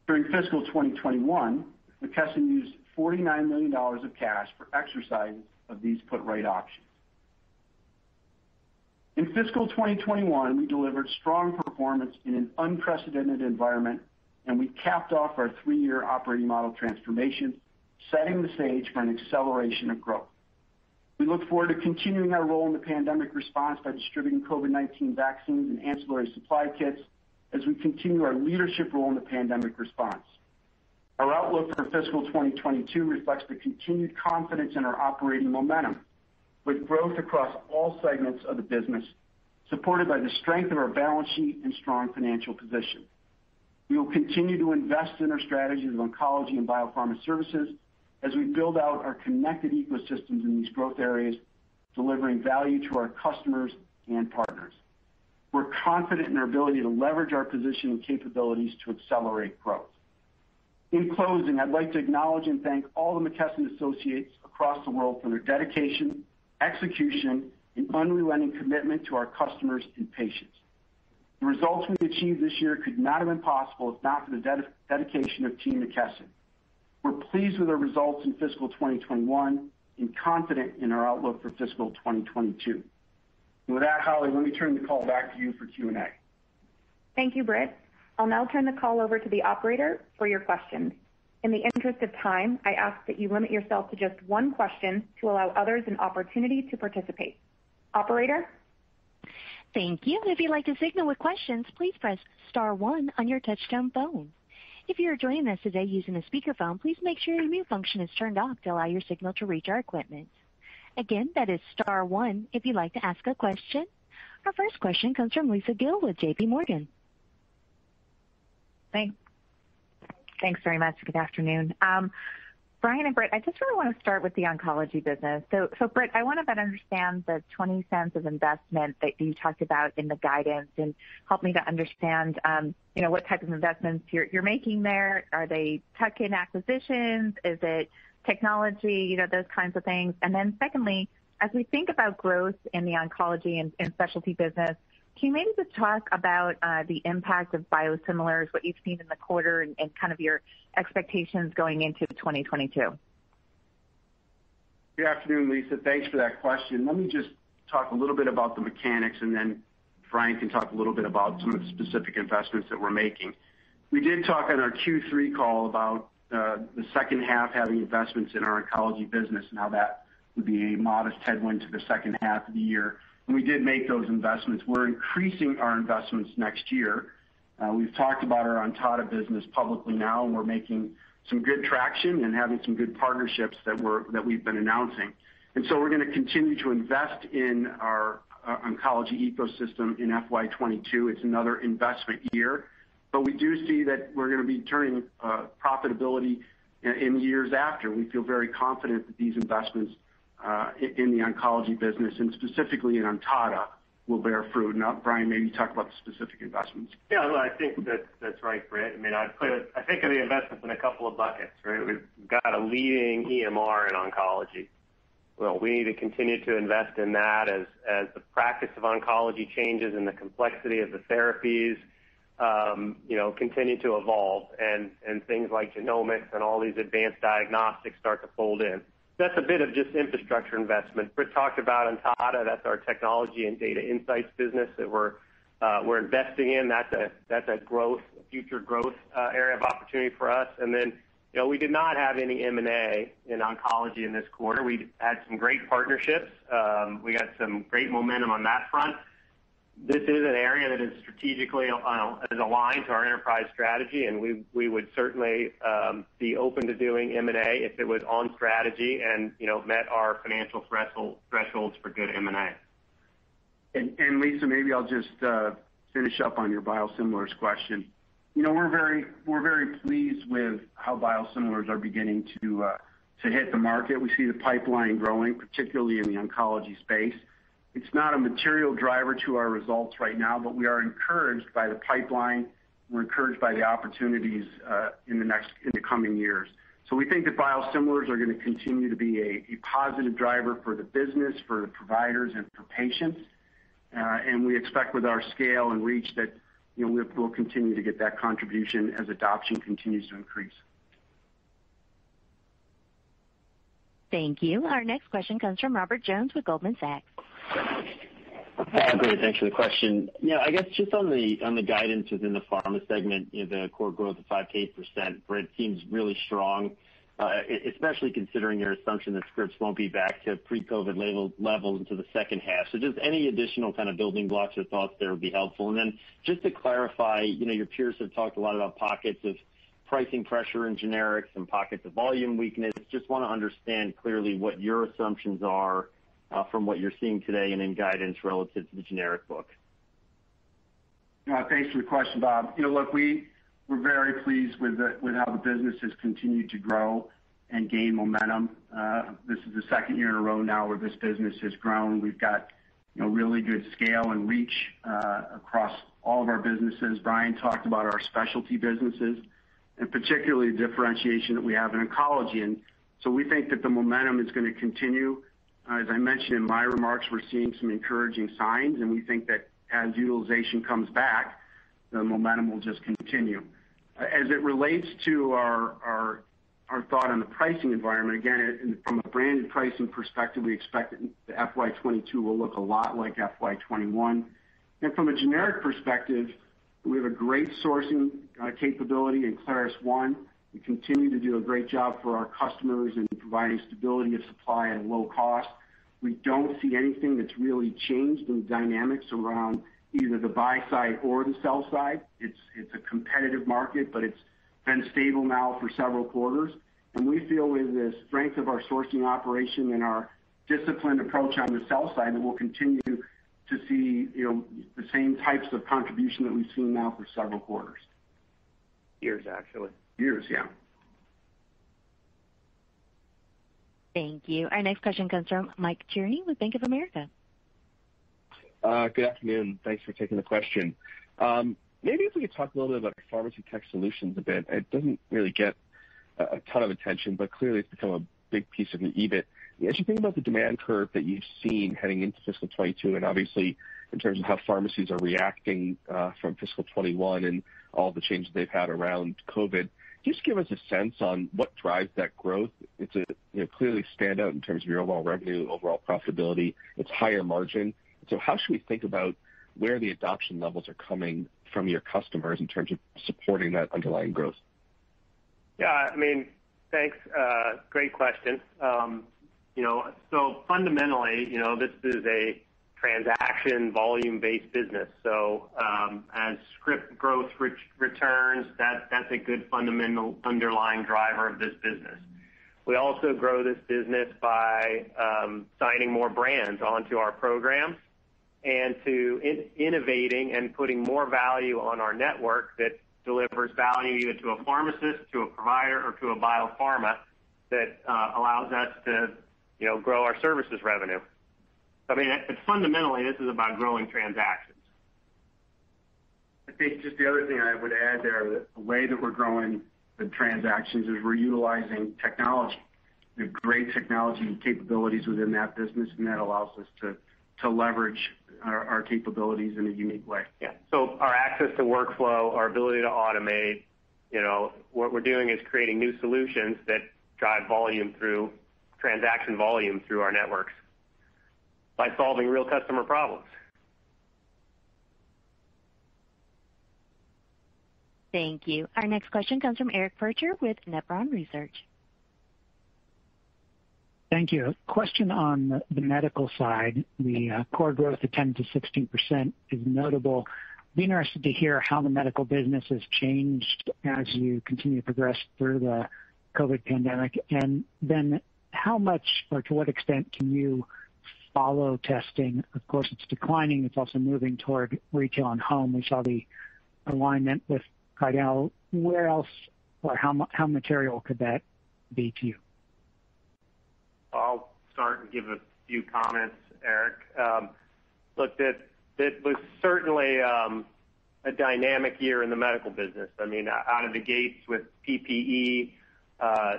During fiscal 2021, McKesson used $49 million of cash for exercises of these put right options. In fiscal 2021, we delivered strong performance in an unprecedented environment. We capped off our three-year operating model transformation, setting the stage for an acceleration of growth. We look forward to continuing our role in the pandemic response by distributing COVID-19 vaccines and ancillary supply kits as we continue our leadership role in the pandemic response. Our outlook for fiscal 2022 reflects the continued confidence in our operating momentum with growth across all segments of the business, supported by the strength of our balance sheet and strong financial position. We will continue to invest in our strategies of oncology and biopharma services as we build out our connected ecosystems in these growth areas, delivering value to our customers and partners. We're confident in our ability to leverage our position and capabilities to accelerate growth. In closing, I'd like to acknowledge and thank all the McKesson associates across the world for their dedication, execution, and unrelenting commitment to our customers and patients. The results we achieved this year could not have been possible if not for the dedication of Team McKesson. We're pleased with our results in fiscal 2021 and confident in our outlook for fiscal 2022. With that, Holly, let me turn the call back to you for Q&A. Thank you, Britt. I'll now turn the call over to the operator for your questions. In the interest of time, I ask that you limit yourself to just one question to allow others an opportunity to participate. Operator? Our first question comes from Lisa Gill with J.P. Morgan. Thanks very much. Good afternoon. Brian Tyler and Britt vitalone, I just really want to start with the oncology business. Britt Vitalone, I want to better understand the $0.20 of investment that you talked about in the guidance and help me to understand what type of investments you're making there. Are they tuck-in acquisitions? Is it technology, those kinds of things? Secondly, as we think about growth in the oncology and specialty business, can you maybe just talk about the impact of biosimilars, what you've seen in the quarter and kind of your expectations going into 2022? Good afternoon, Lisa. Thanks for that question. Let me just talk a little bit about the mechanics, and then Brian can talk a little bit about some of the specific investments that we're making. We did talk on our Q3 call about the second half having investments in our oncology business, and how that would be a modest headwind to the second half of the year, and we did make those investments. We're increasing our investments next year. We've talked about our Ontada business publicly now, and we're making some good traction and having some good partnerships that we've been announcing. We're going to continue to invest in our oncology ecosystem in FY 2022. It's another investment year. We do see that we're going to be turning profitability in years after. We feel very confident that these investments in the oncology business, and specifically in Ontada, will bear fruit. Now, Brian, maybe talk about the specific investments. Yeah. Well, I think that's right, Britt. I think of the investments in a couple of buckets, right? We've got a leading EMR in oncology. Well, we need to continue to invest in that as the practice of oncology changes and the complexity of the therapies continue to evolve and things like genomics and all these advanced diagnostics start to fold in. That's a bit of just infrastructure investment. Britt talked about Ontada. That's our technology and data insights business that we're investing in. That's a future growth area of opportunity for us. We did not have any M&A in oncology in this quarter. We had some great partnerships. We got some great momentum on that front. This is an area that is strategically aligned to our enterprise strategy, and we would certainly be open to doing M&A if it was on strategy and met our financial thresholds for good M&A. Lisa, maybe I'll just finish up on your biosimilars question. We're very pleased with how biosimilars are beginning to hit the market. We see the pipeline growing, particularly in the oncology space. It's not a material driver to our results right now, we are encouraged by the pipeline. We're encouraged by the opportunities in the coming years. We think that biosimilars are going to continue to be a positive driver for the business, for the providers and for patients. We expect with our scale and reach that we'll continue to get that contribution as adoption continues to increase. Thank you. Our next question comes from Robert Jones with Goldman Sachs. Hi. Great. Thanks for the question. I guess just on the guidance within the pharma segment, the core growth of 5% - 8%, Britt, seems really strong, especially considering your assumption that scripts won't be back to pre-COVID levels until the second half. Just any additional kind of building blocks or thoughts there would be helpful. Just to clarify, your peers have talked a lot about pockets of pricing pressure in generics and pockets of volume weakness. Just want to understand clearly what your assumptions are from what you're seeing today and in guidance relative to the generic book. Thanks for the question, Rob. Look, we were very pleased with how the business has continued to grow and gain momentum. This is the second year in a row now where this business has grown. We've got really good scale and reach across all of our businesses. Brian Tyler talked about our specialty businesses and particularly the differentiation that we have in oncology. We think that the momentum is going to continue. As I mentioned in my remarks, we're seeing some encouraging signs, and we think that as utilization comes back, the momentum will just continue. As it relates to our thought on the pricing environment, again, from a branded pricing perspective, we expect that FY 2022 will look a lot like FY 2021. From a generic perspective, we have a great sourcing capability in ClarusONE. We continue to do a great job for our customers in providing stability of supply at low cost. We don't see anything that's really changed in the dynamics around either the buy side or the sell side. It's a competitive market, but it's been stable now for several quarters, and we feel with the strength of our sourcing operation and our disciplined approach on the sell side that we'll continue to see the same types of contribution that we've seen now for several quarters. Years, actually. Years, yeah. Thank you. Our next question comes from Michael Cherny with Bank of America. Good afternoon. Thanks for taking the question. Maybe if we could talk a little bit about pharmacy tech solutions a bit. Clearly it's become a big piece of the EBIT. As you think about the demand curve that you've seen heading into fiscal 2022, and obviously in terms of how pharmacies are reacting from fiscal 2021 and all the changes they've had around COVID, just give us a sense on what drives that growth. It's a clearly standout in terms of your overall revenue, overall profitability. It's higher margin. How should we think about where the adoption levels are coming from your customers in terms of supporting that underlying growth? Yeah. Thanks. Great question. Fundamentally, this is a transaction volume-based business. As script growth returns, that's a good fundamental underlying driver of this business. We also grow this business by signing more brands onto our programs and to innovating and putting more value on our network that delivers value either to a pharmacist, to a provider, or to a biopharma that allows us to grow our services revenue. Fundamentally, this is about growing transactions. I think just the other thing I would add there, the way that we're growing the transactions is we're utilizing technology. We have great technology capabilities within that business. That allows us to leverage our capabilities in a unique way. Yeah. Our access to workflow, our ability to automate, what we're doing is creating new solutions that drive transaction volume through our networks by solving real customer problems. Thank you. Our next question comes from Eric Percher with Nephron Research. Thank you. Question on the medical side. The core growth of 10%-16% is notable. Be interested to hear how the medical business has changed as you continue to progress through the COVID pandemic, and then how much, or to what extent can you follow testing? Of course, it's declining. It's also moving toward retail and home. We saw the alignment with Cardinal Health. Where else, or how material could that be to you? I'll start and give a few comments, Eric. Look, it was certainly a dynamic year in the medical business. Out of the gates with PPE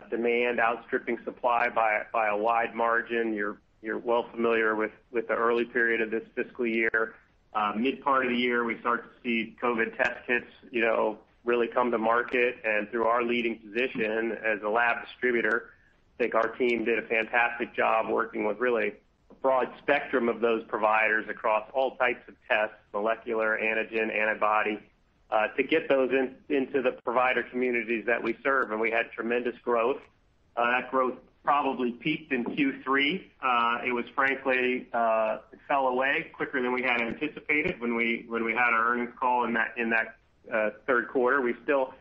demand outstripping supply by a wide margin. You're well familiar with the early period of this fiscal year. Mid part of the year, we start to see COVID test kits really come to market, and through our leading position as a lab distributor. I think our team did a fantastic job working with really a broad spectrum of those providers across all types of tests, molecular, antigen, antibody, to get those into the provider communities that we serve, and we had tremendous growth. That growth probably peaked in Q3. It fell away quicker than we had anticipated when we had our earnings call in that third quarter.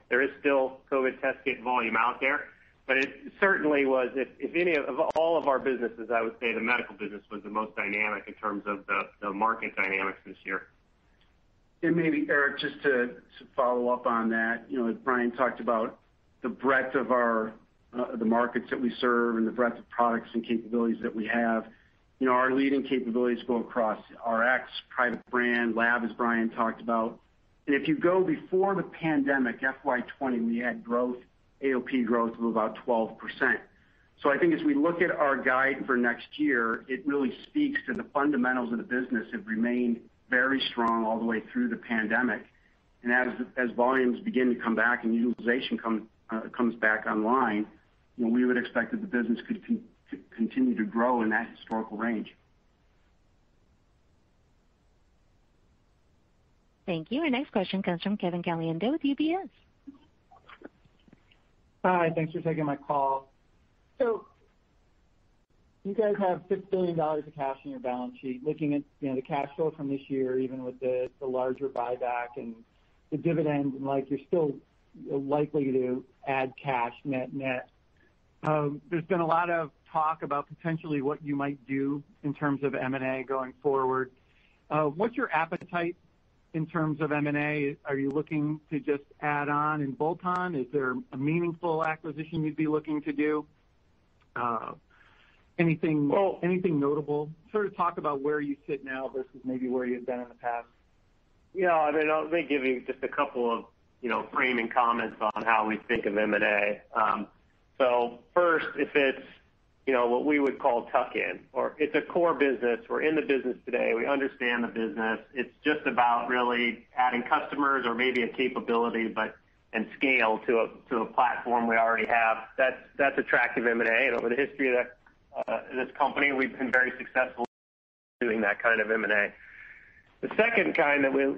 There is still COVID test kit volume out there, but of all of our businesses, I would say the medical business was the most dynamic in terms of the market dynamics this year. Maybe, Eric, just to follow up on that. As Brian talked about the breadth of the markets that we serve and the breadth of products and capabilities that we have. Our leading capabilities go across Rx, private brand, lab, as Brian talked about. If you go before the pandemic, FY 2020, we had AOP growth of about 12%. I think as we look at our guide for next year, it really speaks to the fundamentals of the business have remained very strong all the way through the pandemic. As volumes begin to come back and utilization comes back online, we would expect that the business could continue to grow in that historical range. Thank you. Our next question comes from Kevin Caliendo with UBS. Hi. Thanks for taking my call. You guys have $6 billion of cash in your balance sheet. Looking at the cash flow from this year, even with the larger buyback and the dividend, you're still likely to add cash net net. There's been a lot of talk about potentially what you might do in terms of M&A going forward. What's your appetite in terms of M&A? Are you looking to just add on and bolt on? Is there a meaningful acquisition you'd be looking to do? Well- Anything notable? Sort of talk about where you sit now versus maybe where you've been in the past. Yeah. Let me give you just a couple of framing comments on how we think of M&A. First, if it's what we would call tuck-in, or it's a core business. We're in the business today, we understand the business. It's just about really adding customers or maybe a capability and scale to a platform we already have. That's attractive M&A, and over the history of this company, we've been very successful doing that kind of M&A. The second criteria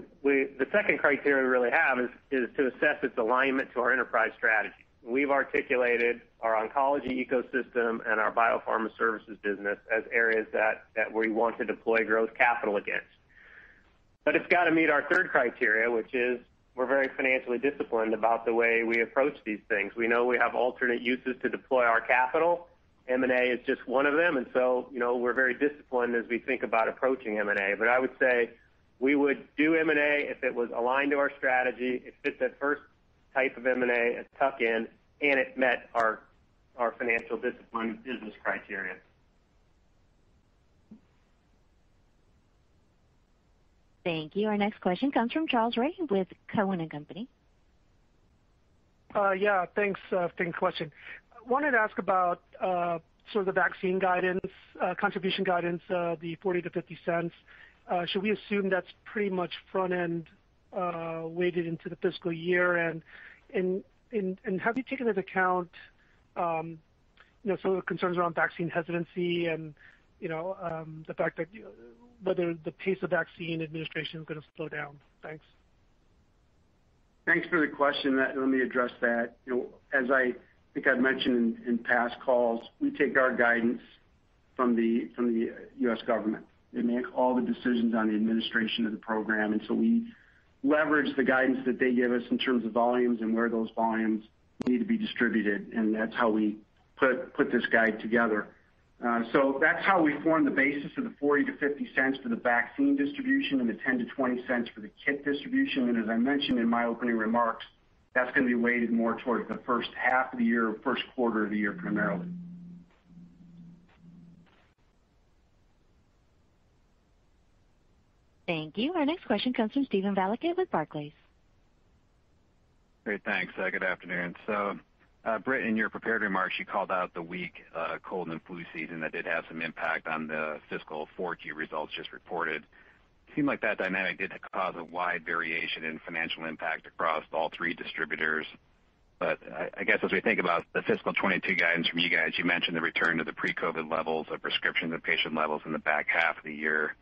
we really have is to assess its alignment to our enterprise strategy. We've articulated our oncology ecosystem and our biopharma services business as areas that we want to deploy growth capital against. It's got to meet our third criteria, which is we're very financially disciplined about the way we approach these things. We know we have alternate uses to deploy our capital. M&A is just one of them. We're very disciplined as we think about approaching M&A. I would say we would do M&A if it was aligned to our strategy, it fits that first type of M&A, a tuck-in, and it met our financial discipline business criteria. Thank you. Our next question comes from Charles Rhyee with Cowen and Company. Yeah. Thanks. Thanks for taking the question. I wanted to ask about sort of the vaccine contribution guidance, the $0.40-0.50. Should we assume that's pretty much front-end weighted into the fiscal year? Have you taken into account Some of the concerns around vaccine hesitancy and the fact that whether the pace of vaccine administration is going to slow down. Thanks. Thanks for the question. Let me address that. As I think I've mentioned in past calls, we take our guidance from the U.S. government. They make all the decisions on the administration of the program, we leverage the guidance that they give us in terms of volumes and where those volumes need to be distributed, that's how we put this guide together. That's how we form the basis of the $0.40-0.50 for the vaccine distribution and the $0.10-0.20 for the kit distribution. As I mentioned in my opening remarks, that's going to be weighted more towards the first half of the year, first quarter of the year, primarily. Thank you. Our next question comes from Steven Valiquette with Barclays. Great. Thanks. Good afternoon. Britt, in your prepared remarks, you called out the weak cold and flu season that did have some impact on the fiscal 4Q results just reported. Seemed like that dynamic didn't cause a wide variation in financial impact across all three distributors. I guess as we think about the fiscal 2022 guidance from you guys, you mentioned the return to the pre-COVID-19 levels of prescriptions and patient levels in the back half of the year.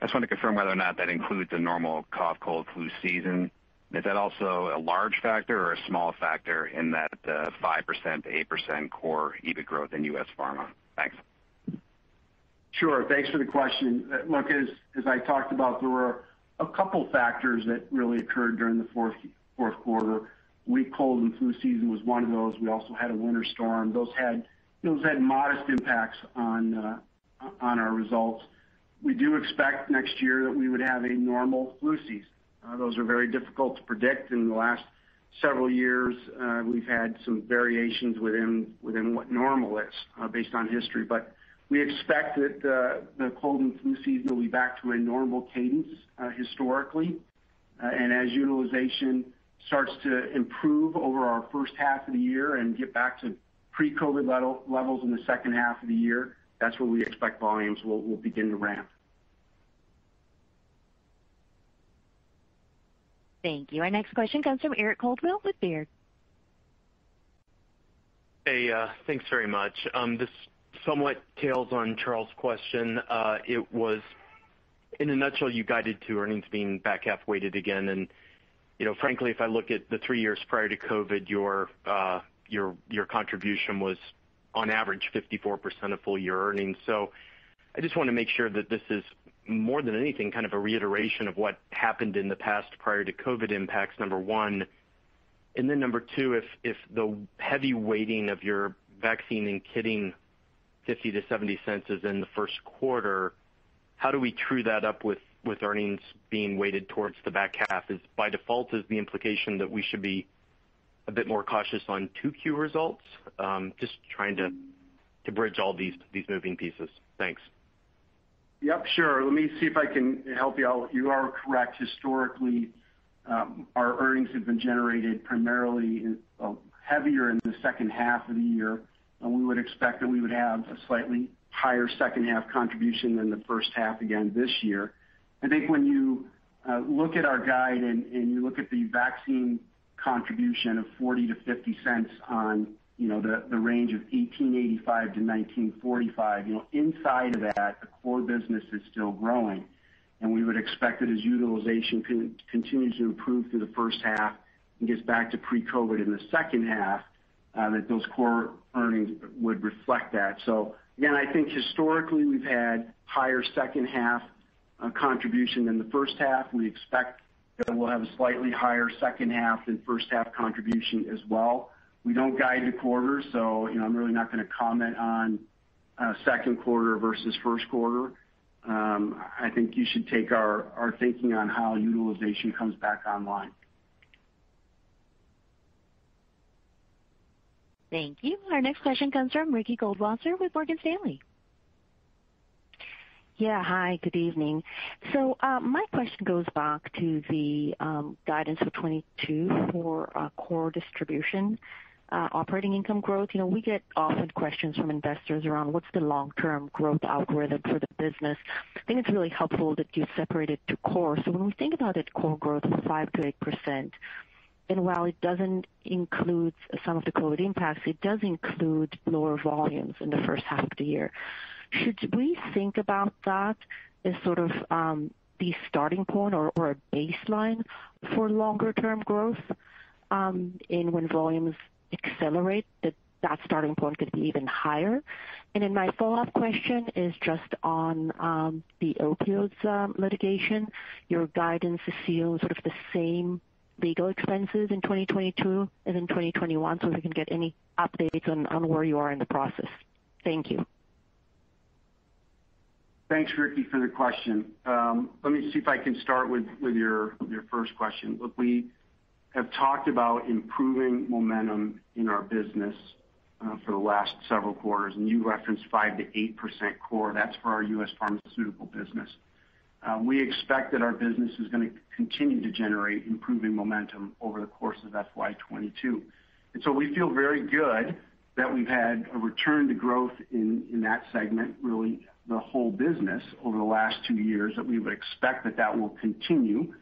I just want to confirm whether or not that includes a normal cough, cold, flu season. Is that also a large factor or a small factor in that 5%-8% core EBIT growth in U.S. Pharma? Thanks. Sure. Thanks for the question. Look, as I talked about, there were a couple factors that really occurred during the fourth quarter. Weak cold and flu season was one of those. We also had a winter storm. Those had modest impacts on our results. We do expect next year that we would have a normal flu season. Those are very difficult to predict. In the last several years, we've had some variations within what normal is based on history. We expect that the cold and flu season will be back to a normal cadence historically. As utilization starts to improve over our first half of the year and get back to pre-COVID levels in the second half of the year, that's where we expect volumes will begin to ramp. Thank you. Our next question comes from Eric Coldwell with Baird. Hey, thanks very much. This somewhat tails on Charles question. It was, in a nutshell, you guided to earnings being back half-weighted again. Frankly, if I look at the three years prior to COVID, your contribution was on average 54% of full year earnings. I just want to make sure that this is more than anything, kind of a reiteration of what happened in the past prior to COVID impacts, number one. Number two, if the heavy weighting of your vaccine and kitting $0.50-0.70 is in the first quarter, how do we true that up with earnings being weighted towards the back half? Is by default the implication that we should be a bit more cautious on 2Q results? Just trying to bridge all these moving pieces. Thanks. Yep, sure. Let me see if I can help you out. You are correct. Historically, our earnings have been generated primarily heavier in the second half of the year, and we would expect that we would have a slightly higher second half contribution than the first half again this year. I think when you look at our guide and you look at the vaccine contribution of $0.40-0.50 on the range of $18.85-19.45, inside of that, the core business is still growing, and we would expect that as utilization continues to improve through the first half and gets back to pre-COVID-19 in the second half, that those core earnings would reflect that. Again, I think historically we've had higher second half contribution than the first half. We expect that we'll have a slightly higher second half than first half contribution as well. We don't guide to quarters, so I'm really not going to comment on second quarter versus first quarter. I think you should take our thinking on how utilization comes back online. Thank you. Our next question comes from Ricky Goldwasser with Morgan Stanley. Yeah. Hi, good evening. My question goes back to the guidance for 2022 for core distribution operating income growth. We get often questions from investors around what's the long-term growth algorithm for the business. I think it's really helpful that you separate it to core. When we think about it, core growth of 5%-8%, and while it doesn't include some of the COVID-19 impacts, it does include lower volumes in the first half of the year. Should we think about that as sort of the starting point or a baseline for longer term growth, and when volumes accelerate, that that starting point could be even higher? My follow-up question is just on the opioids litigation. Your guidance assumes sort of the same legal expenses in 2022 as in 2021. If we can get any updates on where you are in the process. Thank you. Thanks, Ricky, for the question. Let me see if I can start with your first question. Look, we have talked about improving momentum in our business for the last several quarters. You referenced 5%-8% core. That's for our U.S. Pharmaceutical business. We expect that our business is going to continue to generate improving momentum over the course of FY 2022. We feel very good that we've had a return to growth in that segment, really the whole business over the last two years, that we would expect that that will continue.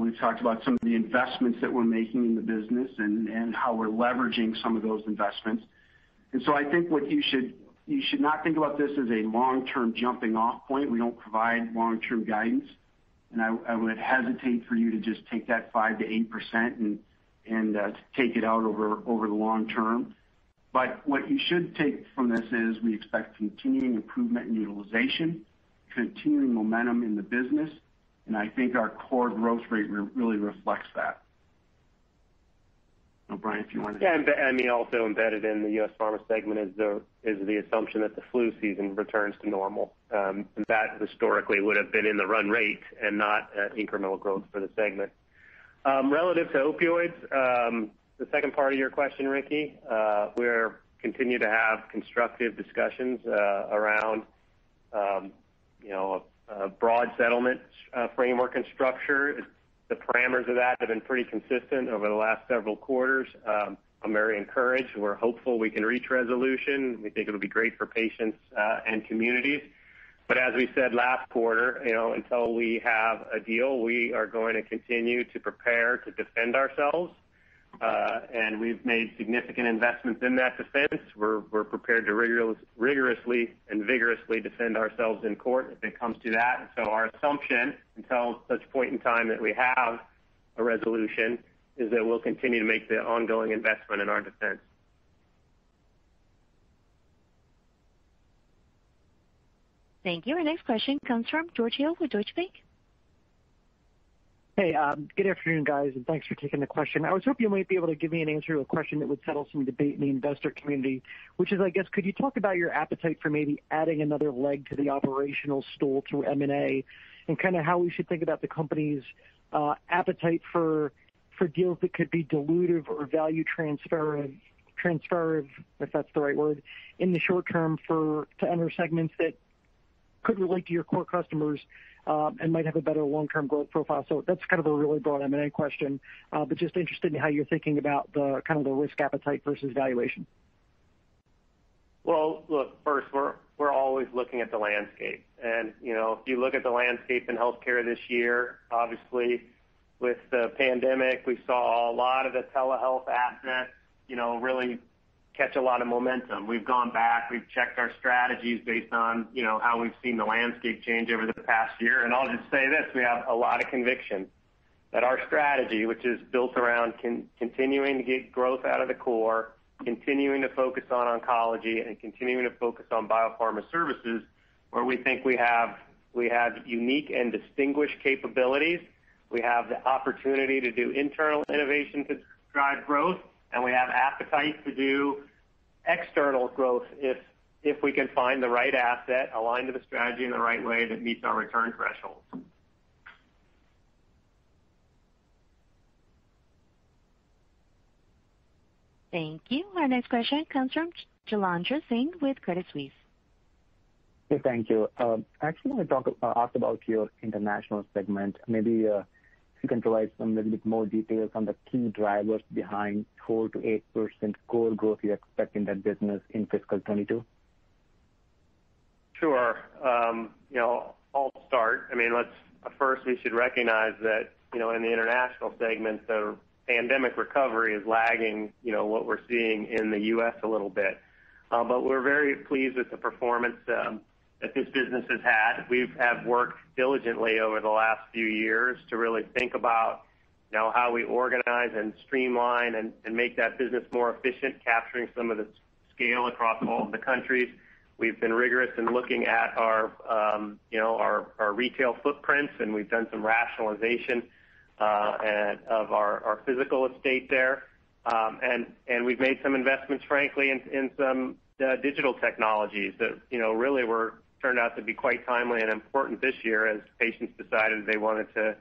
We've talked about some of the investments that we're making in the business and how we're leveraging some of those investments. I think you should not think about this as a long-term jumping off point. We don't provide long-term guidance, and I would hesitate for you to just take that 5%-8% and take it out over the long term. What you should take from this is we expect continuing improvement in utilization, continuing momentum in the business, and I think our core growth rate really reflects that. Brian, if you want to- Also embedded in the U.S. Pharmaceutical segment is the assumption that the flu season returns to normal, and that historically would've been in the run rate and not incremental growth for the segment. Relative to opioids, the second part of your question, Ricky, we continue to have constructive discussions around a broad settlement framework and structure. The parameters of that have been pretty consistent over the last several quarters. I'm very encouraged. We're hopeful we can reach resolution, and we think it'll be great for patients and communities. As we said last quarter, until we have a deal, we are going to continue to prepare to defend ourselves, and we've made significant investments in that defense. We're prepared to rigorously and vigorously defend ourselves in court if it comes to that. Our assumption, until such point in time that we have a resolution, is that we'll continue to make the ongoing investment in our defense. Thank you. Our next question comes from George Hill with Deutsche Bank. Hey, good afternoon, guys. Thanks for taking the question. I was hoping you might be able to give me an answer to a question that would settle some debate in the investor community, which is, I guess, could you talk about your appetite for maybe adding another leg to the operational stool through M&A, and how we should think about the company's appetite for deals that could be dilutive or value- transferative, if that's the right word, in the short term to enter segments that could relate to your core customers, and might have a better long-term growth profile. That's a really broad M&A question. Just interested in how you're thinking about the risk appetite versus valuation. Well, look, first, we're always looking at the landscape. If you look at the landscape in healthcare this year, obviously with the pandemic, we saw a lot of the telehealth aspect really catch a lot of momentum. We've gone back, we've checked our strategies based on how we've seen the landscape change over the past year. I'll just say this, we have a lot of conviction that our strategy, which is built around continuing to get growth out of the core, continuing to focus on oncology, and continuing to focus on biopharma services, where we think we have unique and distinguished capabilities. We have the opportunity to do internal innovation to drive growth. We have appetite to do external growth if we can find the right asset aligned to the strategy in the right way that meets our return thresholds. Thank you. Our next question comes from Jailendra Singh with Credit Suisse. Okay, thank you. I actually want to ask about your international segment. Maybe if you can provide some little bit more details on the key drivers behind 4%-8% core growth you expect in that business in fiscal 2022. Sure. I'll start. First, we should recognize that in the international segment, the pandemic recovery is lagging what we're seeing in the U.S. a little bit. We're very pleased with the performance that this business has had. We have worked diligently over the last few years to really think about how we organize and streamline and make that business more efficient, capturing some of the scale across all of the countries. We've been rigorous in looking at our retail footprints, and we've done some rationalization of our physical estate there. We've made some investments, frankly, in some digital technologies that really turned out to be quite timely and important this year as patients decided they wanted to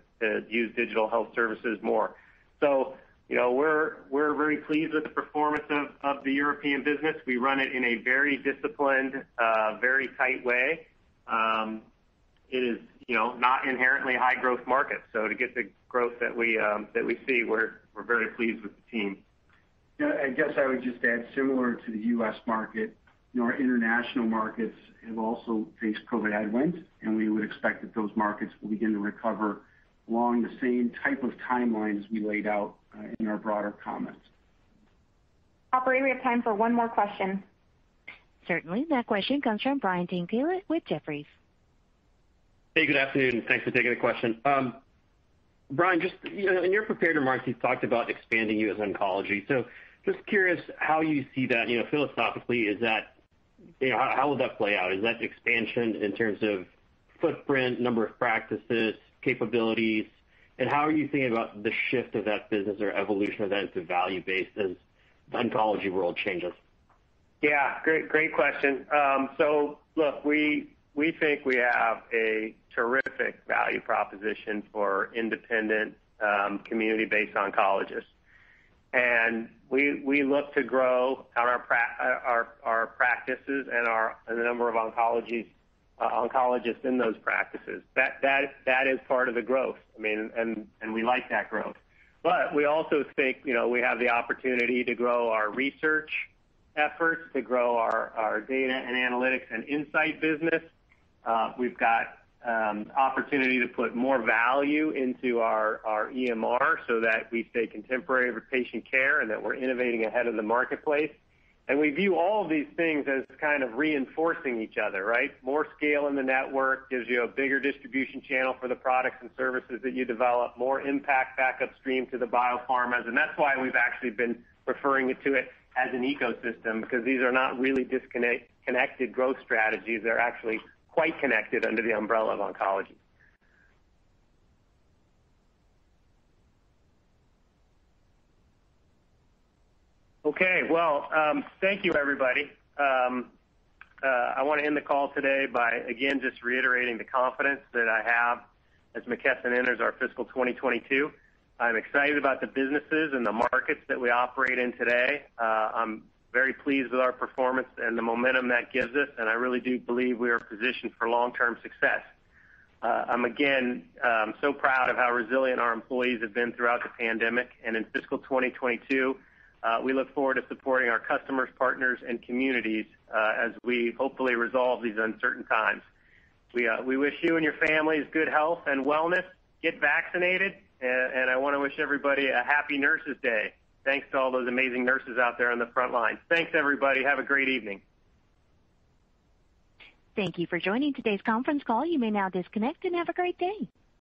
use digital health services more. We're very pleased with the performance of the European business. We run it in a very disciplined, very tight way. It is not inherently a high growth market, so to get the growth that we see, we're very pleased with the team. I guess I would just add, similar to the U.S. market, our international markets have also faced COVID headwinds, and we would expect that those markets will begin to recover along the same type of timelines we laid out in our broader comments. Operator, we have time for one more question. Certainly. That question comes from Brian Tanquilut with Jefferies. Hey, good afternoon. Thanks for taking the question. Brian, just in your prepared remarks, you talked about expanding US Oncology. Just curious how you see that philosophically. How will that play out? Is that expansion in terms of footprint, number of practices, capabilities, and how are you thinking about the shift of that business or evolution of that to value based as the oncology world changes? Great question. Look, we think we have a terrific value proposition for independent, community-based oncologists. We look to grow our practices and the number of oncologists in those practices. That is part of the growth, and we like that growth. We also think we have the opportunity to grow our research efforts, to grow our data and analytics and insight business. We've got opportunity to put more value into our EMR so that we stay contemporary with patient care and that we're innovating ahead of the marketplace. We view all of these things as kind of reinforcing each other, right? More scale in the network gives you a bigger distribution channel for the products and services that you develop, more impact back upstream to the biopharmas, and that's why we've actually been referring to it as an ecosystem, because these are not really disconnected growth strategies. They're actually quite connected under the umbrella of oncology. Okay, well, thank you everybody. I want to end the call today by, again, just reiterating the confidence that I have as McKesson enters our fiscal 2022. I'm excited about the businesses and the markets that we operate in today. I'm very pleased with our performance and the momentum that gives us, and I really do believe we are positioned for long-term success. I'm, again, so proud of how resilient our employees have been throughout the pandemic, and in fiscal 2022, we look forward to supporting our customers, partners, and communities, as we hopefully resolve these uncertain times. We wish you and your families good health and wellness. Get vaccinated, and I want to wish everybody a Happy Nurses Day. Thanks to all those amazing nurses out there on the front lines. Thanks, everybody. Have a great evening. Thank you for joining today's conference call. You may now disconnect, and have a great day.